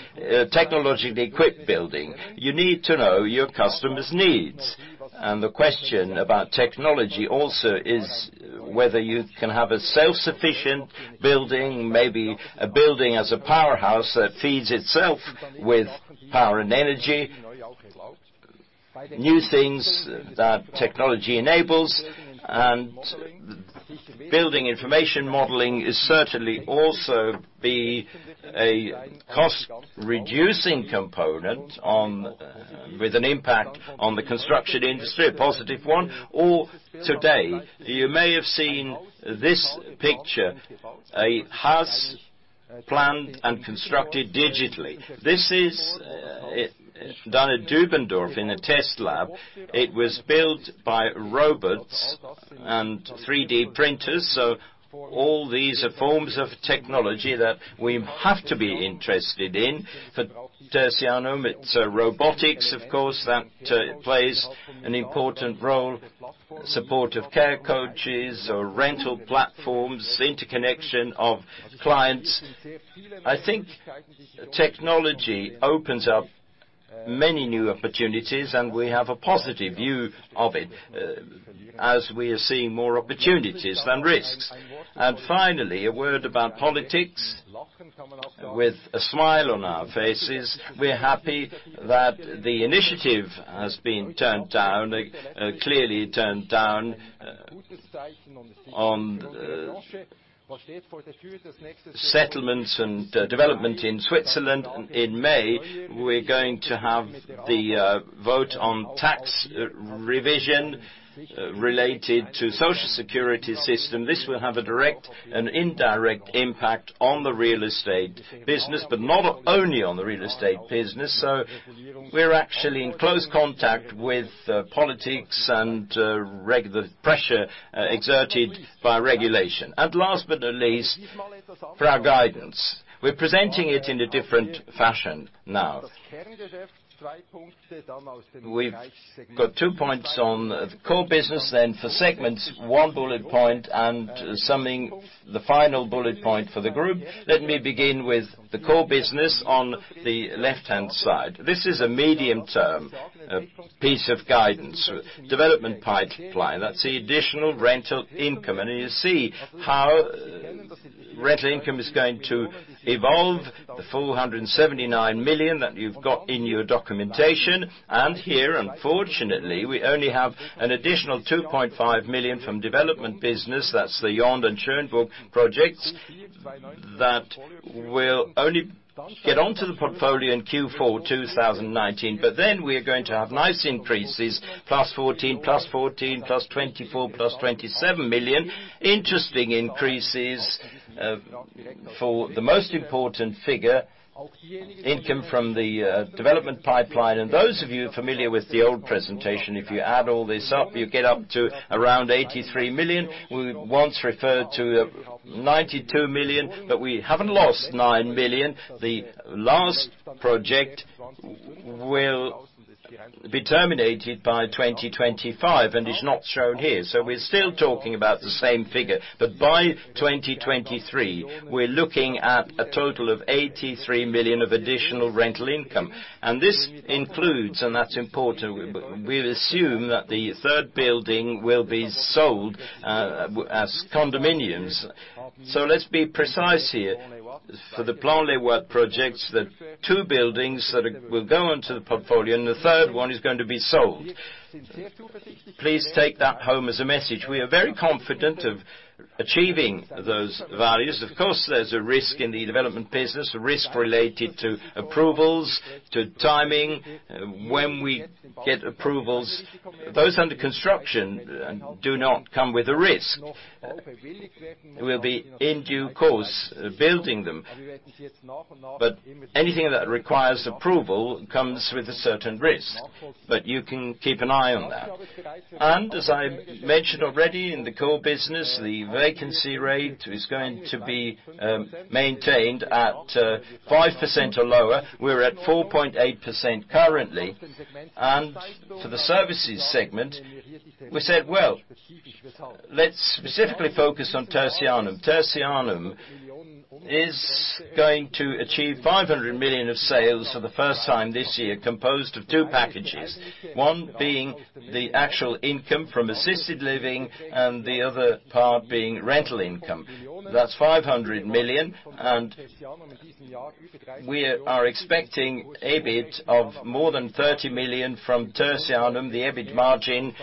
technologically equipped building. You need to know your customer's needs. The question about technology also is whether you can have a self-sufficient building, maybe a building as a powerhouse that feeds itself with power and energy. New things that technology enables. Building information modeling is certainly also be a cost-reducing component with an impact on the construction industry, a positive one. Today, you may have seen this picture. A house planned and constructed digitally. This is done at Dübendorf in a test lab. It was built by robots and 3D printers. All these are forms of technology that we have to be interested in. For Tertianum, it's robotics, of course. That plays an important role. Support of care coaches or rental platforms, interconnection of clients. I think technology opens up many new opportunities, and we have a positive view of it, as we are seeing more opportunities than risks. Finally, a word about politics. With a smile on our faces, we're happy that the initiative has been clearly turned down on settlements and development in Switzerland. In May, we're going to have the vote on tax revision related to social security system. This will have a direct and indirect impact on the real estate business, but not only on the real estate business. We're actually in close contact with politics and the pressure exerted by regulation. Last but not least, for our guidance. We're presenting it in a different fashion now. We've got two points on the core business, then for segments, one bullet point, and summing the final bullet point for the group. Let me begin with the core business on the left-hand side. This is a medium term piece of guidance. Development pipeline, that's the additional rental income. You see how rental income is going to evolve. The 479 million that you've got in your documentation. Here, unfortunately, we only have an additional 2.5 million from development business. That's the Yond and Schönburg projects that will only get onto the portfolio in Q4 2019. We are going to have nice increases, plus 14 million, plus 14 million, plus 24 million, plus 27 million. Interesting increases for the most important figure, income from the development pipeline. Those of you familiar with the old presentation, if you add all this up, you get up to around 83 million. We once referred to 92 million, we haven't lost 9 million. The last project will be terminated by 2025 and is not shown here. We're still talking about the same figure. By 2023, we're looking at a total of 83 million of additional rental income. This includes, and that's important, we assume that the third building will be sold as condominiums. Let's be precise here. For the Plan-les-Ouates projects, the two buildings that will go onto the portfolio and the third one is going to be sold. Please take that home as a message. We are very confident of achieving those values. Of course, there's a risk in the development business, a risk related to approvals, to timing, when we get approvals. Those under construction do not come with a risk. We'll be, in due course, building them. Anything that requires approval comes with a certain risk. You can keep an eye on that. As I mentioned already, in the core business, the vacancy rate is going to be maintained at 5% or lower. We're at 4.8% currently. For the services segment, we said, well, let's specifically focus on Tertianum. Tertianum is going to achieve 500 million of sales for the first time this year, composed of two packages, one being the actual income from assisted living and the other part being rental income. That's 500 million, we are expecting EBIT of more than 30 million from Tertianum. The EBIT margin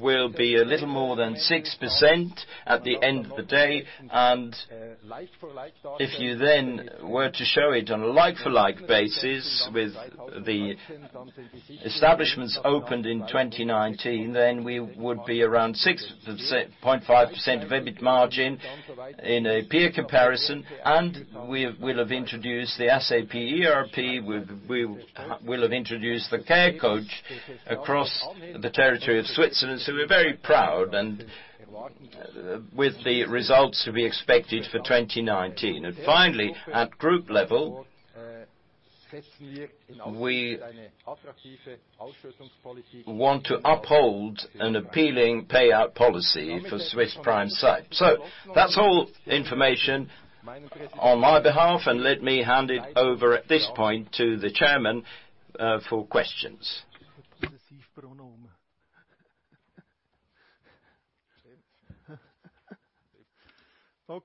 will be a little more than 6% at the end of the day. If you then were to show it on a like-to-like basis with the establishments opened in 2019, then we would be around 6.5% of EBIT margin in a peer comparison, and we'll have introduced the SAP ERP, we'll have introduced the care.coach across the territory of Switzerland. We're very proud with the results to be expected for 2019. Finally, at group level, we want to uphold an appealing payout policy for Swiss Prime Site. That's all information on my behalf, and let me hand it over at this point to the Chairman for questions. Thank you very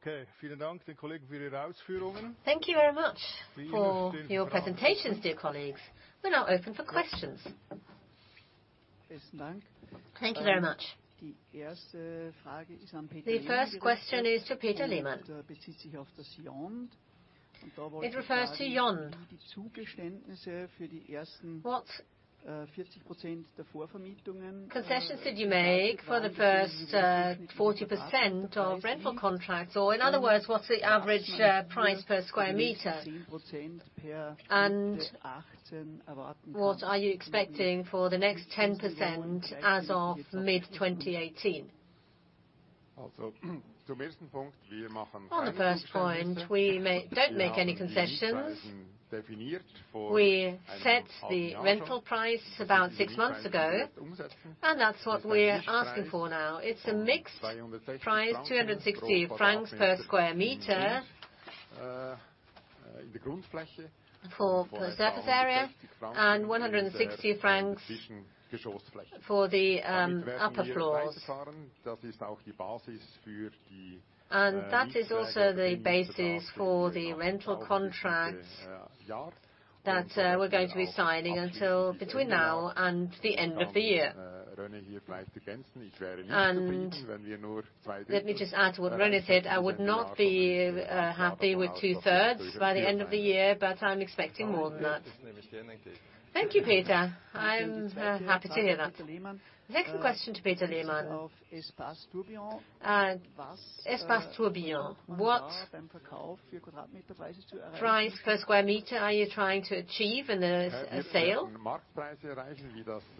much for your presentations, dear colleagues. We're now open for questions. Thank you very much. The first question is for Peter Lehmann. It refers to Yond. What concessions did you make for the first 40% of rental contracts, or in other words, what's the average price per square meter? What are you expecting for the next 10% as of mid-2018? On the first point, we don't make any concessions. We set the rental price about six months ago, and that's what we're asking for now. It's a mixed price, 260 francs per square meter. Okay. For the surface area, 160 francs for the upper floors. That is also the basis for the rental contracts that we're going to be signing between now and the end of the year. Let me just add to what René said, I would not be happy with two-thirds by the end of the year, but I'm expecting more than that. Thank you, Peter. I'm happy to hear that. Next question to Peter Lehmann. Espace Tourbillon, what price per square meter are you trying to achieve in a sale?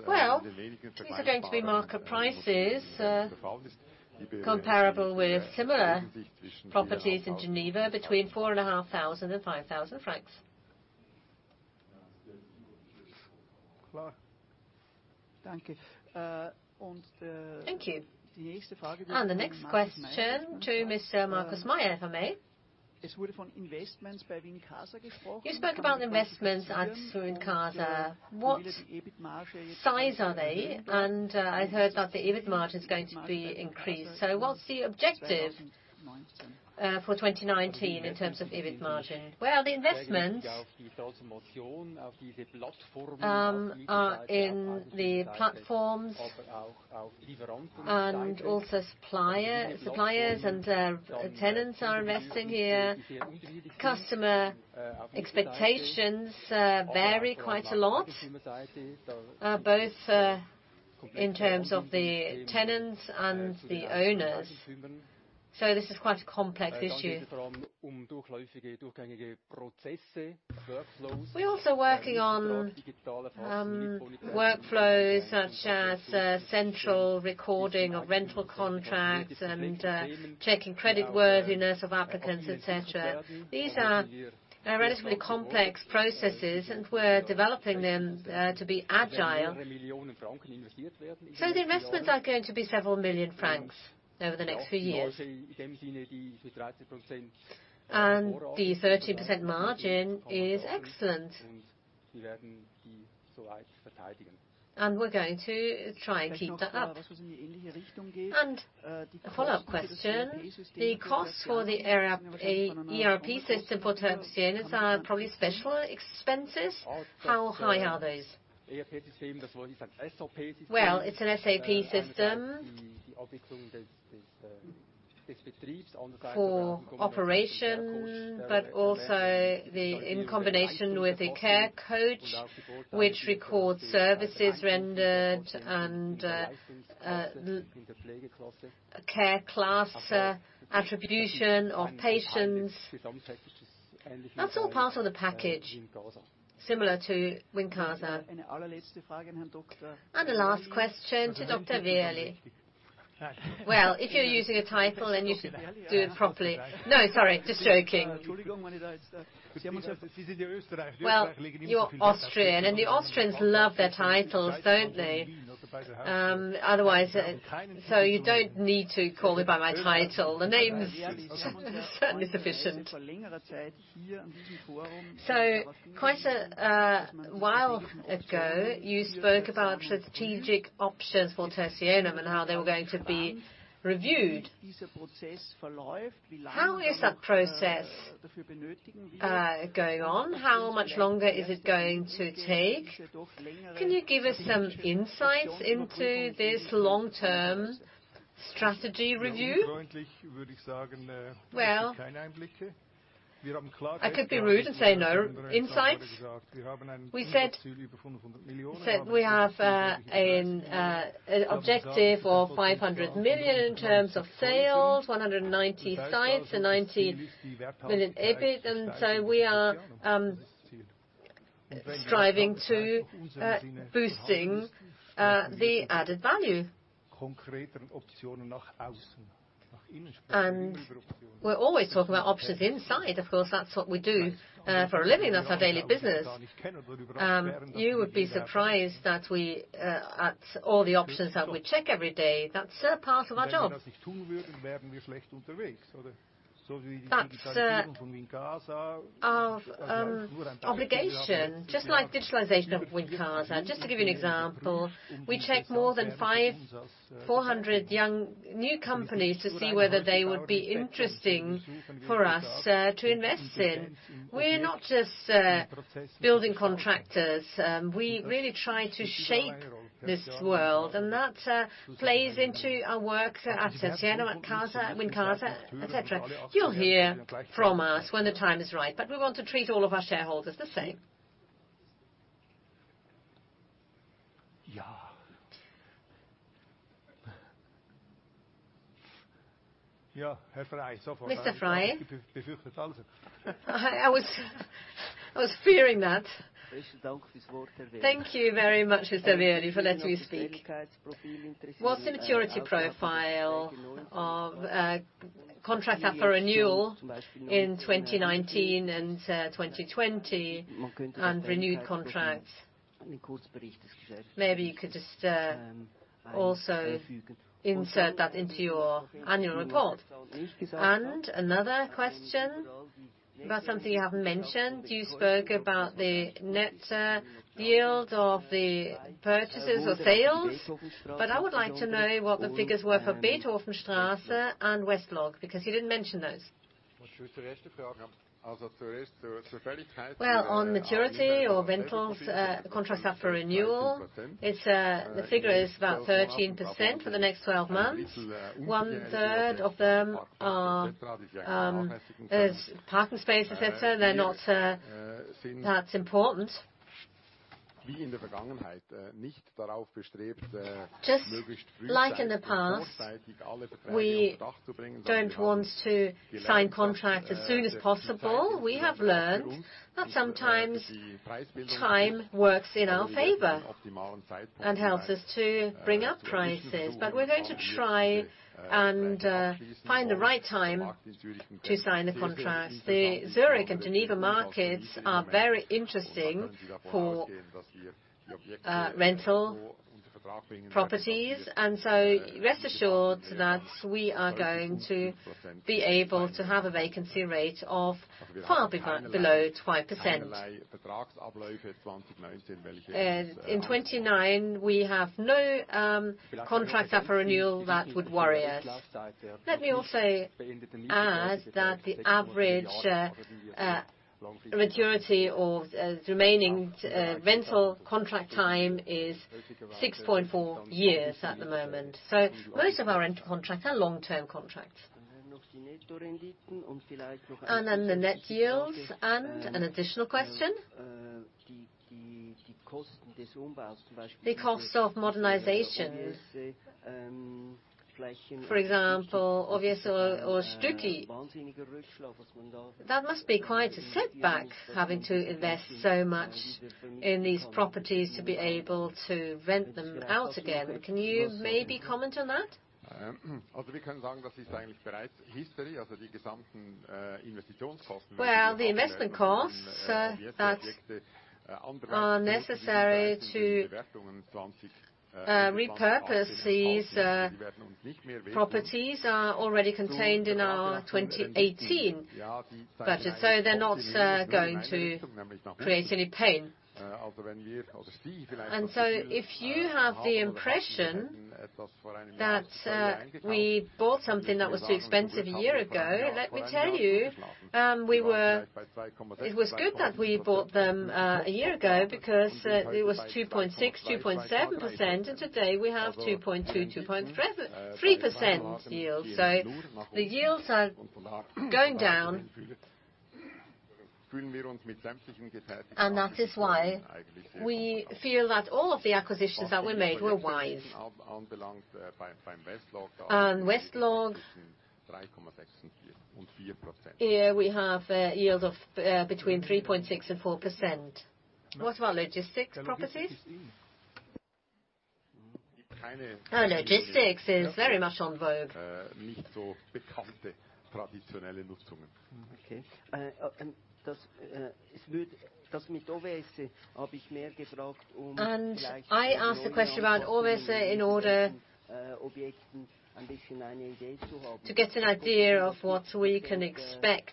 Well, these are going to be market prices comparable with similar properties in Geneva, between 4,500 and 5,000 francs. Thank you. The next question to Mr. Markus Meier for me. You spoke about investments at Wincasa. What size are they? I heard that the EBIT margin is going to be increased. What's the objective for 2019 in terms of EBIT margin? The investments are in the platforms and also suppliers and tenants are investing here. Customer expectations vary quite a lot, both in terms of the tenants and the owners. This is quite a complex issue. We're also working on workflows, such as central recording of rental contracts and checking creditworthiness of applicants, et cetera. These are relatively complex processes, and we're developing them to be agile. The investments are going to be several million CHF over the next few years. The 30% margin is excellent, and we're going to try and keep that up. A follow-up question. The costs for the ERP system for Tertianum are probably special expenses. How high are those? It's an SAP system for operations, but also in combination with a care.coach, which records services rendered and care class attribution of patients. That's all part of the package, similar to Wincasa. The last question to Dr. Wehrli. If you're using a title, then you should do it properly. No, sorry, just joking. You're Austrian, and the Austrians love their titles, don't they? You don't need to call me by my title. The name is certainly sufficient. Quite a while ago, you spoke about strategic options for Tertianum and how they were going to be reviewed. How is that process going on? How much longer is it going to take? Can you give us some insights into this long-term strategy review? I could be rude and say no insight. We said we have an objective of 500 million in terms of sales, 190 sites and 19 million EBIT, we are striving to boosting the added value. We're always talking about options inside. Of course, that's what we do for a living. That's our daily business. You would be surprised at all the options that we check every day. That's part of our job. That's our obligation, just like digitalization of Wincasa. Just to give you an example, we check more than 400 new companies to see whether they would be interesting for us to invest in. We're not just building contractors. We really try to shape this world, and that plays into our work at Tertianum, at Wincasa, et cetera. You'll hear from us when the time is right, but we want to treat all of our shareholders the same. Mr. Frey. I was fearing that. Thank you very much, Mr. Wehrli, for letting me speak. What's the maturity profile of contracts up for renewal in 2019 and 2020, and renewed contracts? Maybe you could just also insert that into your annual report. Another question about something you haven't mentioned. You spoke about the net yield of the purchases or sales, but I would like to know what the figures were for Beethoven-Straße and West-Log, because you didn't mention those. On maturity or rentals, contracts up for renewal, the figure is about 13% for the next 12 months. One third of them are parking spaces, et cetera. That's important. Just like in the past, we don't want to sign contracts as soon as possible. We have learned that sometimes time works in our favor and helps us to bring up prices. We're going to try and find the right time to sign the contracts. The Zurich and Geneva markets are very interesting for rental properties. Rest assured that we are going to be able to have a vacancy rate of far below 12%. In 2029, we have no contracts up for renewal that would worry us. Let me also add that the average maturity of the remaining rental contract time is 6.4 years at the moment. Most of our rental contracts are long-term contracts. The net yields, an additional question. The cost of modernization. For example, OVS or Stücki. That must be quite a setback, having to invest so much in these properties to be able to rent them out again. Can you maybe comment on that? Well, the investment costs that are necessary to repurpose these properties are already contained in our 2018 budget. They're not going to create any pain. If you have the impression that we bought something that was too expensive a year ago, let me tell you, it was good that we bought them a year ago because it was 2.6%-2.7%, and today we have 2.2%-2.3% yield. The yields are going down, and that is why we feel that all of the acquisitions that were made were wise. West-Log, here we have yields of between 3.6%-4%. What about logistics properties? Logistics is very much on vogue. I asked the question about OVS in order to get an idea of what we can expect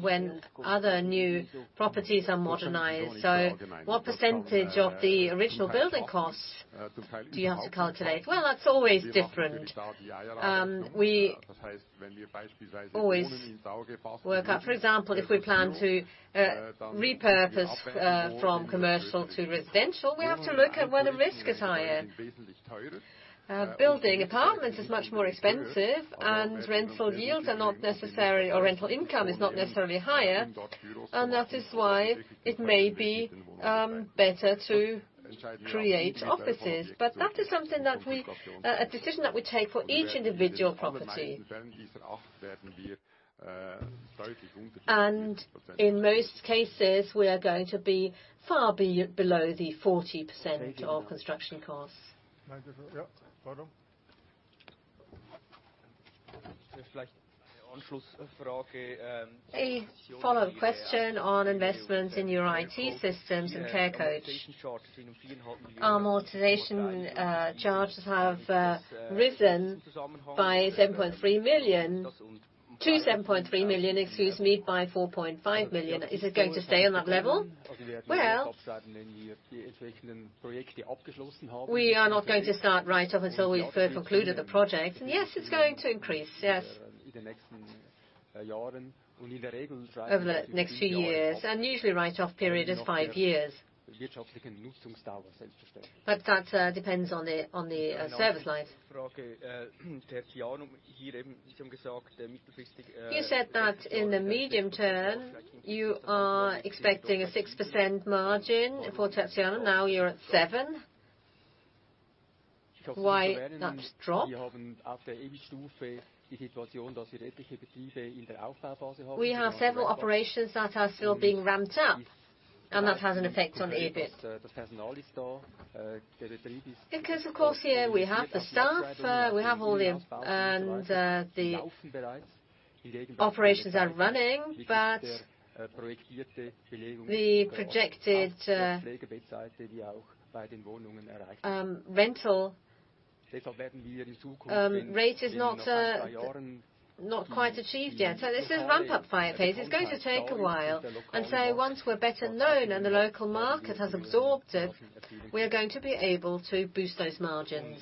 when other new properties are modernized. What percentage of the original building costs do you have to calculate? Well, that's always different. We always work out, for example, if we plan to repurpose from commercial to residential, we have to look at where the risk is higher. Building apartments is much more expensive and rental income is not necessarily higher, and that is why it may be better to create offices. That is a decision that we take for each individual property. In most cases, we are going to be far below the 40% of construction costs. A follow-up question on investments in your IT systems and care.coach. Amortization charges have risen to 7.3 million, excuse me, by 4.5 million. Is it going to stay on that level? Well, we are not going to start write-off until we've concluded the project. Yes, it's going to increase. Yes. Over the next few years. Usually write-off period is five years. That depends on the service life. You said that in the medium term, you are expecting a 6% margin for Tertianum. Now you're at 7%. Why that drop? We have several operations that are still being ramped up, and that has an effect on EBIT. Of course, here we have the staff, we have all the operations are running, but the projected rental rate is not quite achieved yet. This is ramp-up phase. It's going to take a while. Once we're better known and the local market has absorbed it, we are going to be able to boost those margins.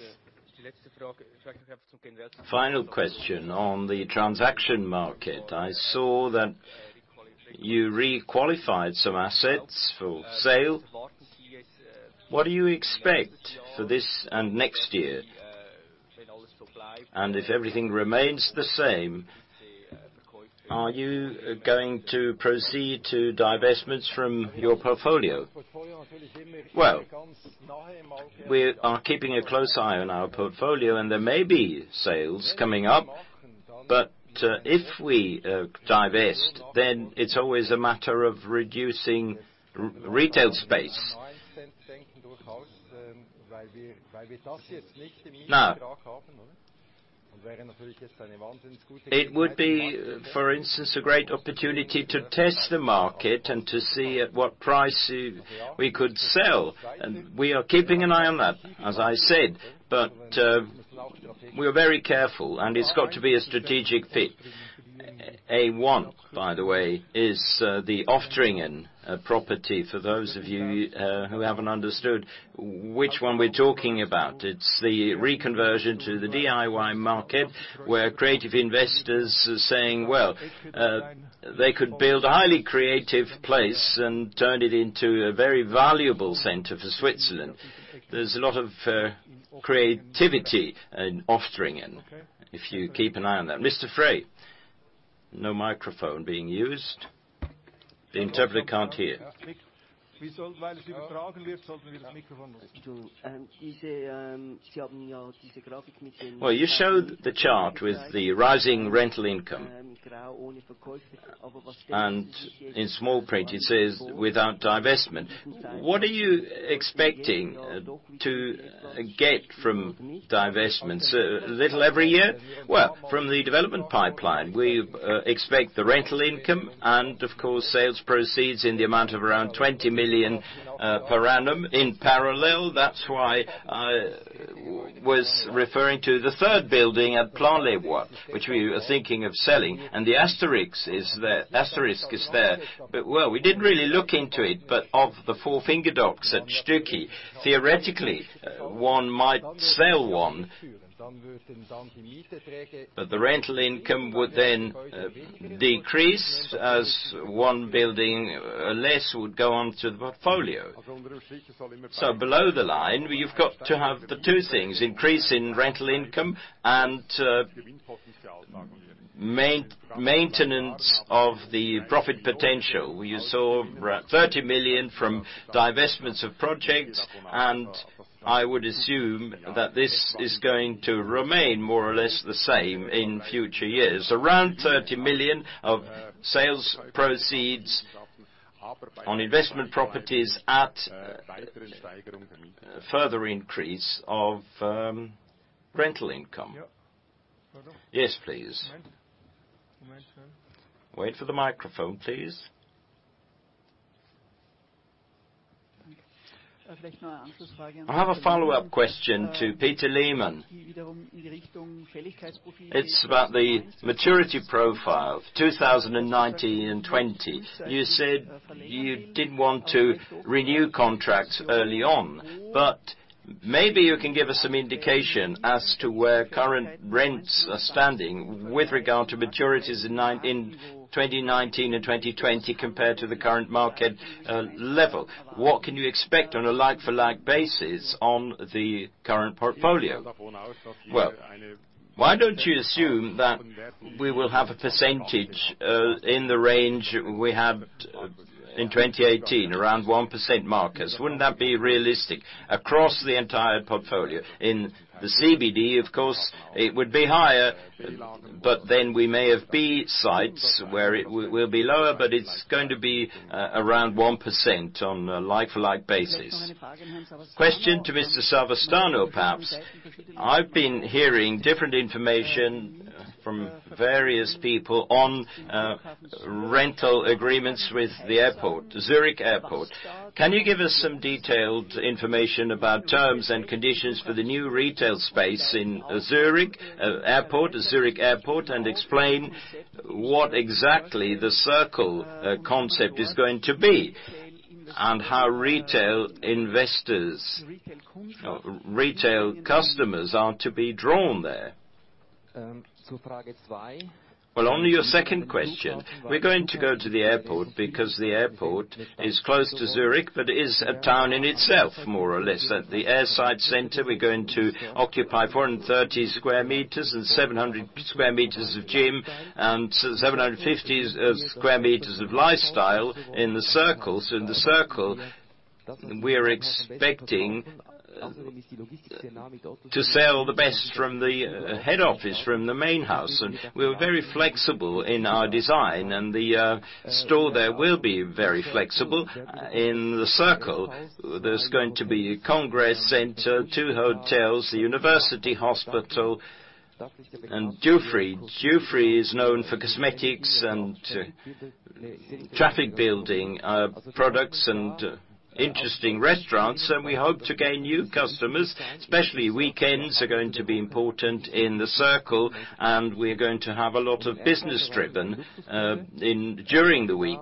Final question. On the transaction market, I saw that you re-qualified some assets for sale. What do you expect for this and next year? If everything remains the same, are you going to proceed to divestments from your portfolio? We are keeping a close eye on our portfolio, and there may be sales coming up. If we divest, then it's always a matter of reducing retail space. It would be, for instance, a great opportunity to test the market and to see at what price we could sell. We are keeping an eye on that, as I said, but we are very careful, and it's got to be a strategic fit. A 1, by the way, is the Oftringen property, for those of you who haven't understood which one we're talking about. It's the reconversion to the DIY market, where creative investors are saying, they could build a highly creative place and turn it into a very valuable center for Switzerland. There's a lot of creativity in Oftringen, if you keep an eye on that. Mr. Frey. No microphone being used. The interpreter can't hear. You showed the chart with the rising rental income, and in small print it says, "Without divestment." What are you expecting to get from divestments? A little every year? From the development pipeline, we expect the rental income and, of course, sales proceeds in the amount of around 20 million per annum. In parallel, that's why I was referring to the third building at Plan-les-Ouates, which we were thinking of selling. The asterisk is there. We didn't really look into it, but of the four Finger Docks at Stücki, theoretically, one might sell one. The rental income would then decrease as one building less would go on to the portfolio. Below the line, you've got to have the two things, increase in rental income and maintenance of the profit potential. You saw 30 million from divestments of projects, and I would assume that this is going to remain more or less the same in future years. Around 30 million of sales proceeds on investment properties at further increase of rental income. Yes, please. Wait for the microphone, please. I have a follow-up question to Peter Lehmann. It's about the maturity profile of 2019 and 2020. You said you didn't want to renew contracts early on, but maybe you can give us some indication as to where current rents are standing with regard to maturities in 2019 and 2020 compared to the current market level. What can you expect on a like-for-like basis on the current portfolio? Why don't you assume that we will have a percentage in the range we had in 2018, around 1%, Markus. Wouldn't that be realistic across the entire portfolio? In the CBD, of course, it would be higher, but then we may have B sites where it will be lower, but it's going to be around 1% on a like-for-like basis. Question to Mr. Savastano, perhaps. I've been hearing different information from various people on rental agreements with the Zurich Airport. Can you give us some detailed information about terms and conditions for the new retail space in Zurich Airport, and explain what exactly The Circle concept is going to be, and how retail investors, retail customers are to be drawn there? On your second question, we're going to go to the airport because the airport is close to Zurich, but is a town in itself, more or less. At the airside center, we're going to occupy 430 sq m and 700 sq m of gym, and 750 sq m of lifestyle in The Circle. We are expecting to sell the best from the head office, from the main house. We are very flexible in our design, and the store there will be very flexible. In The Circle, there's going to be a congress center, two hotels, the University Hospital and Dufry. Dufry is known for cosmetics and traffic building products and interesting restaurants. We hope to gain new customers, especially weekends are going to be important in The Circle, and we're going to have a lot of business driven during the week.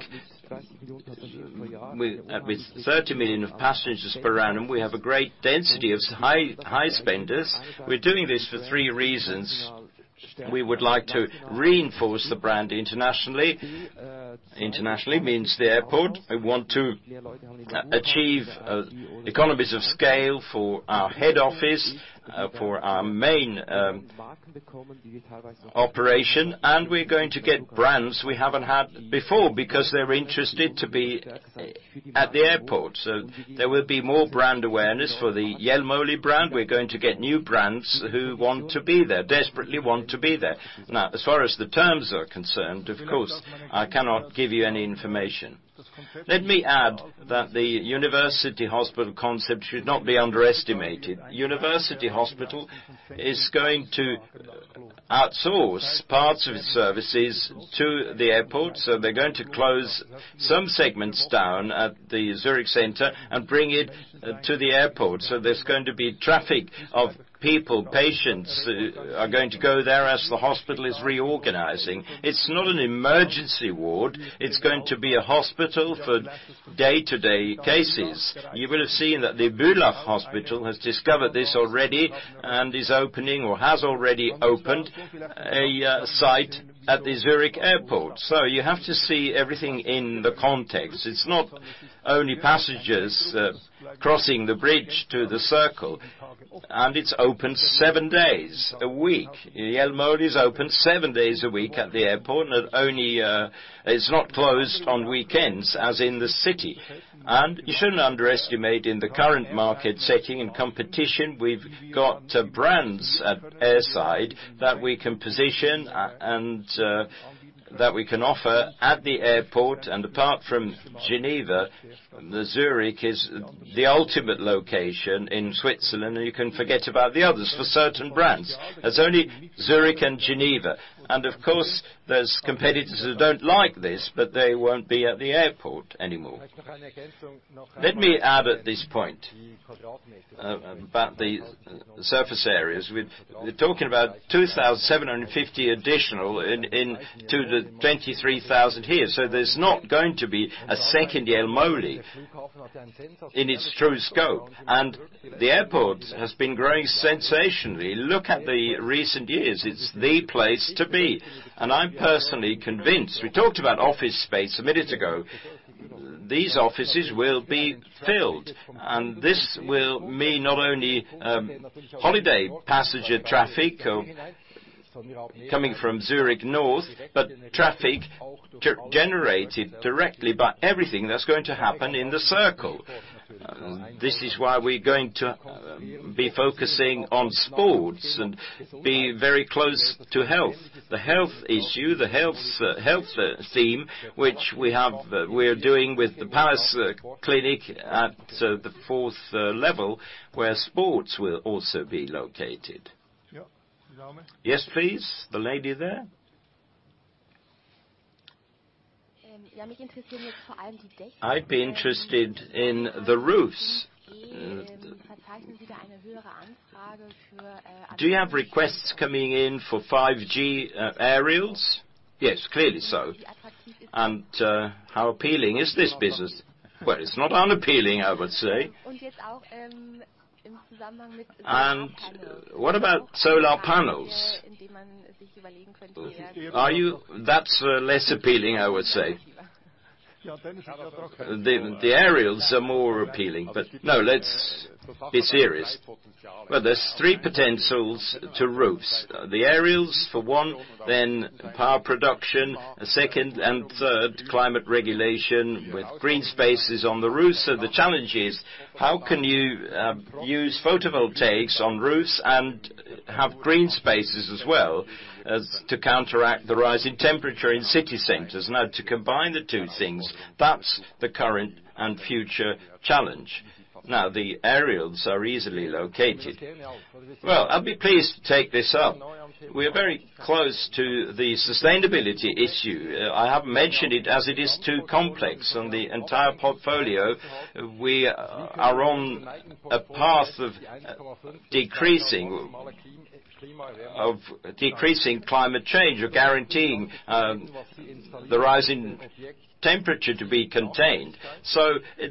With 30 million passengers per annum, we have a great density of high spenders. We're doing this for three reasons. We would like to reinforce the brand internationally. Internationally means the airport. We want to achieve economies of scale for our head office, for our main operation. We're going to get brands we haven't had before because they're interested to be at the airport. There will be more brand awareness for the Jelmoli brand. We're going to get new brands who want to be there, desperately want to be there. As far as the terms are concerned, of course, I cannot give you any information. Let me add that the University Hospital concept should not be underestimated. University Hospital is going to outsource parts of its services to the airport, they're going to close some segments down at the Zurich center and bring it to the airport. There's going to be traffic of people, patients are going to go there as the hospital is reorganizing. It's not an emergency ward. It's going to be a hospital for day-to-day cases. You will have seen that the [Wülfrath Hospital] has discovered this already and is opening or has already opened a site at the Zurich Airport. You have to see everything in the context. It's not only passengers crossing the bridge to The Circle, and it's open seven days a week. Jelmoli is open seven days a week at the airport and it's not closed on weekends as in the city. You shouldn't underestimate in the current market setting and competition, we've got brands at airside that we can position and that we can offer at the airport. Apart from Geneva, Zurich is the ultimate location in Switzerland, and you can forget about the others for certain brands. There's only Zurich and Geneva. Of course, there's competitors who don't like this, but they won't be at the airport anymore. Let me add at this point about the surface areas. We're talking about 2,750 additional to the 23,000 here. There's not going to be a second Jelmoli in its true scope. The airport has been growing sensationally. Look at the recent years, it's the place to be. I'm personally convinced. We talked about office space a minute ago. These offices will be filled, and this will mean not only holiday passenger traffic coming from Zurich North, but traffic generated directly by everything that's going to happen in the Circle. This is why we're going to be focusing on sports and be very close to health. The health issue, the health theme, which we're doing with the Pallas Clinic at the fourth level, where sports will also be located. Yes, please. The lady there. I'd be interested in the roofs. Do you have requests coming in for 5G aerials? Yes, clearly so. How appealing is this business? It's not unappealing, I would say. What about solar panels? That's less appealing, I would say. The aerials are more appealing. No, let's be serious. There's three potentials to roofs. The aerials for one, power production, second, and third, climate regulation with green spaces on the roofs. The challenge is how can you use photovoltaics on roofs and have green spaces as well as to counteract the rise in temperature in city centers. To combine the two things, that's the current and future challenge. The aerials are easily located. I'd be pleased to take this up. We're very close to the sustainability issue. I haven't mentioned it as it is too complex on the entire portfolio. We are on a path of decreasing climate change, of guaranteeing the rise in temperature to be contained.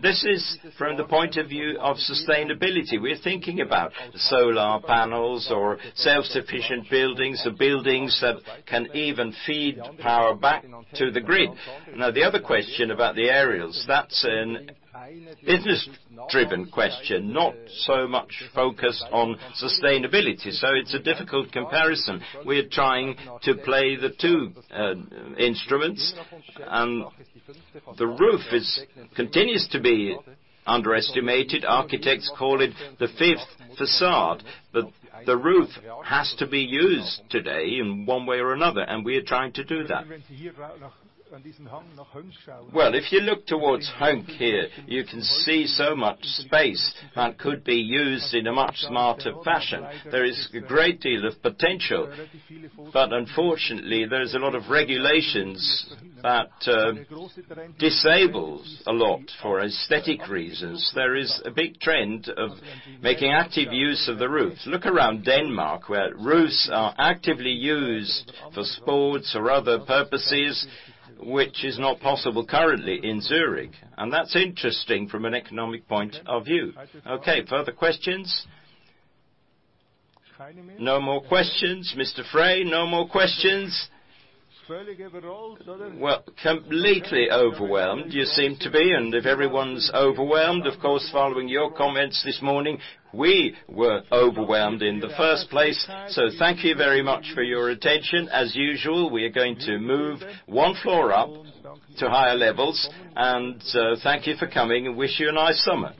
This is from the point of view of sustainability. We're thinking about solar panels or self-sufficient buildings or buildings that can even feed power back to the grid. The other question about the aerials, that's a business-driven question, not so much focused on sustainability. It's a difficult comparison. We are trying to play the two instruments, the roof continues to be underestimated. Architects call it the fifth façade. The roof has to be used today in one way or another, we are trying to do that. If you look towards Höngg here, you can see so much space that could be used in a much smarter fashion. There is a great deal of potential, unfortunately, there's a lot of regulations that disables a lot for aesthetic reasons. There is a big trend of making active use of the roofs. Look around Denmark, where roofs are actively used for sports or other purposes, which is not possible currently in Zurich. That's interesting from an economic point of view. Okay, further questions? No more questions. Mr. Frey, no more questions. Completely overwhelmed you seem to be, if everyone's overwhelmed, of course, following your comments this morning, we were overwhelmed in the first place. Thank you very much for your attention. As usual, we are going to move one floor up to higher levels. Thank you for coming and wish you a nice summer.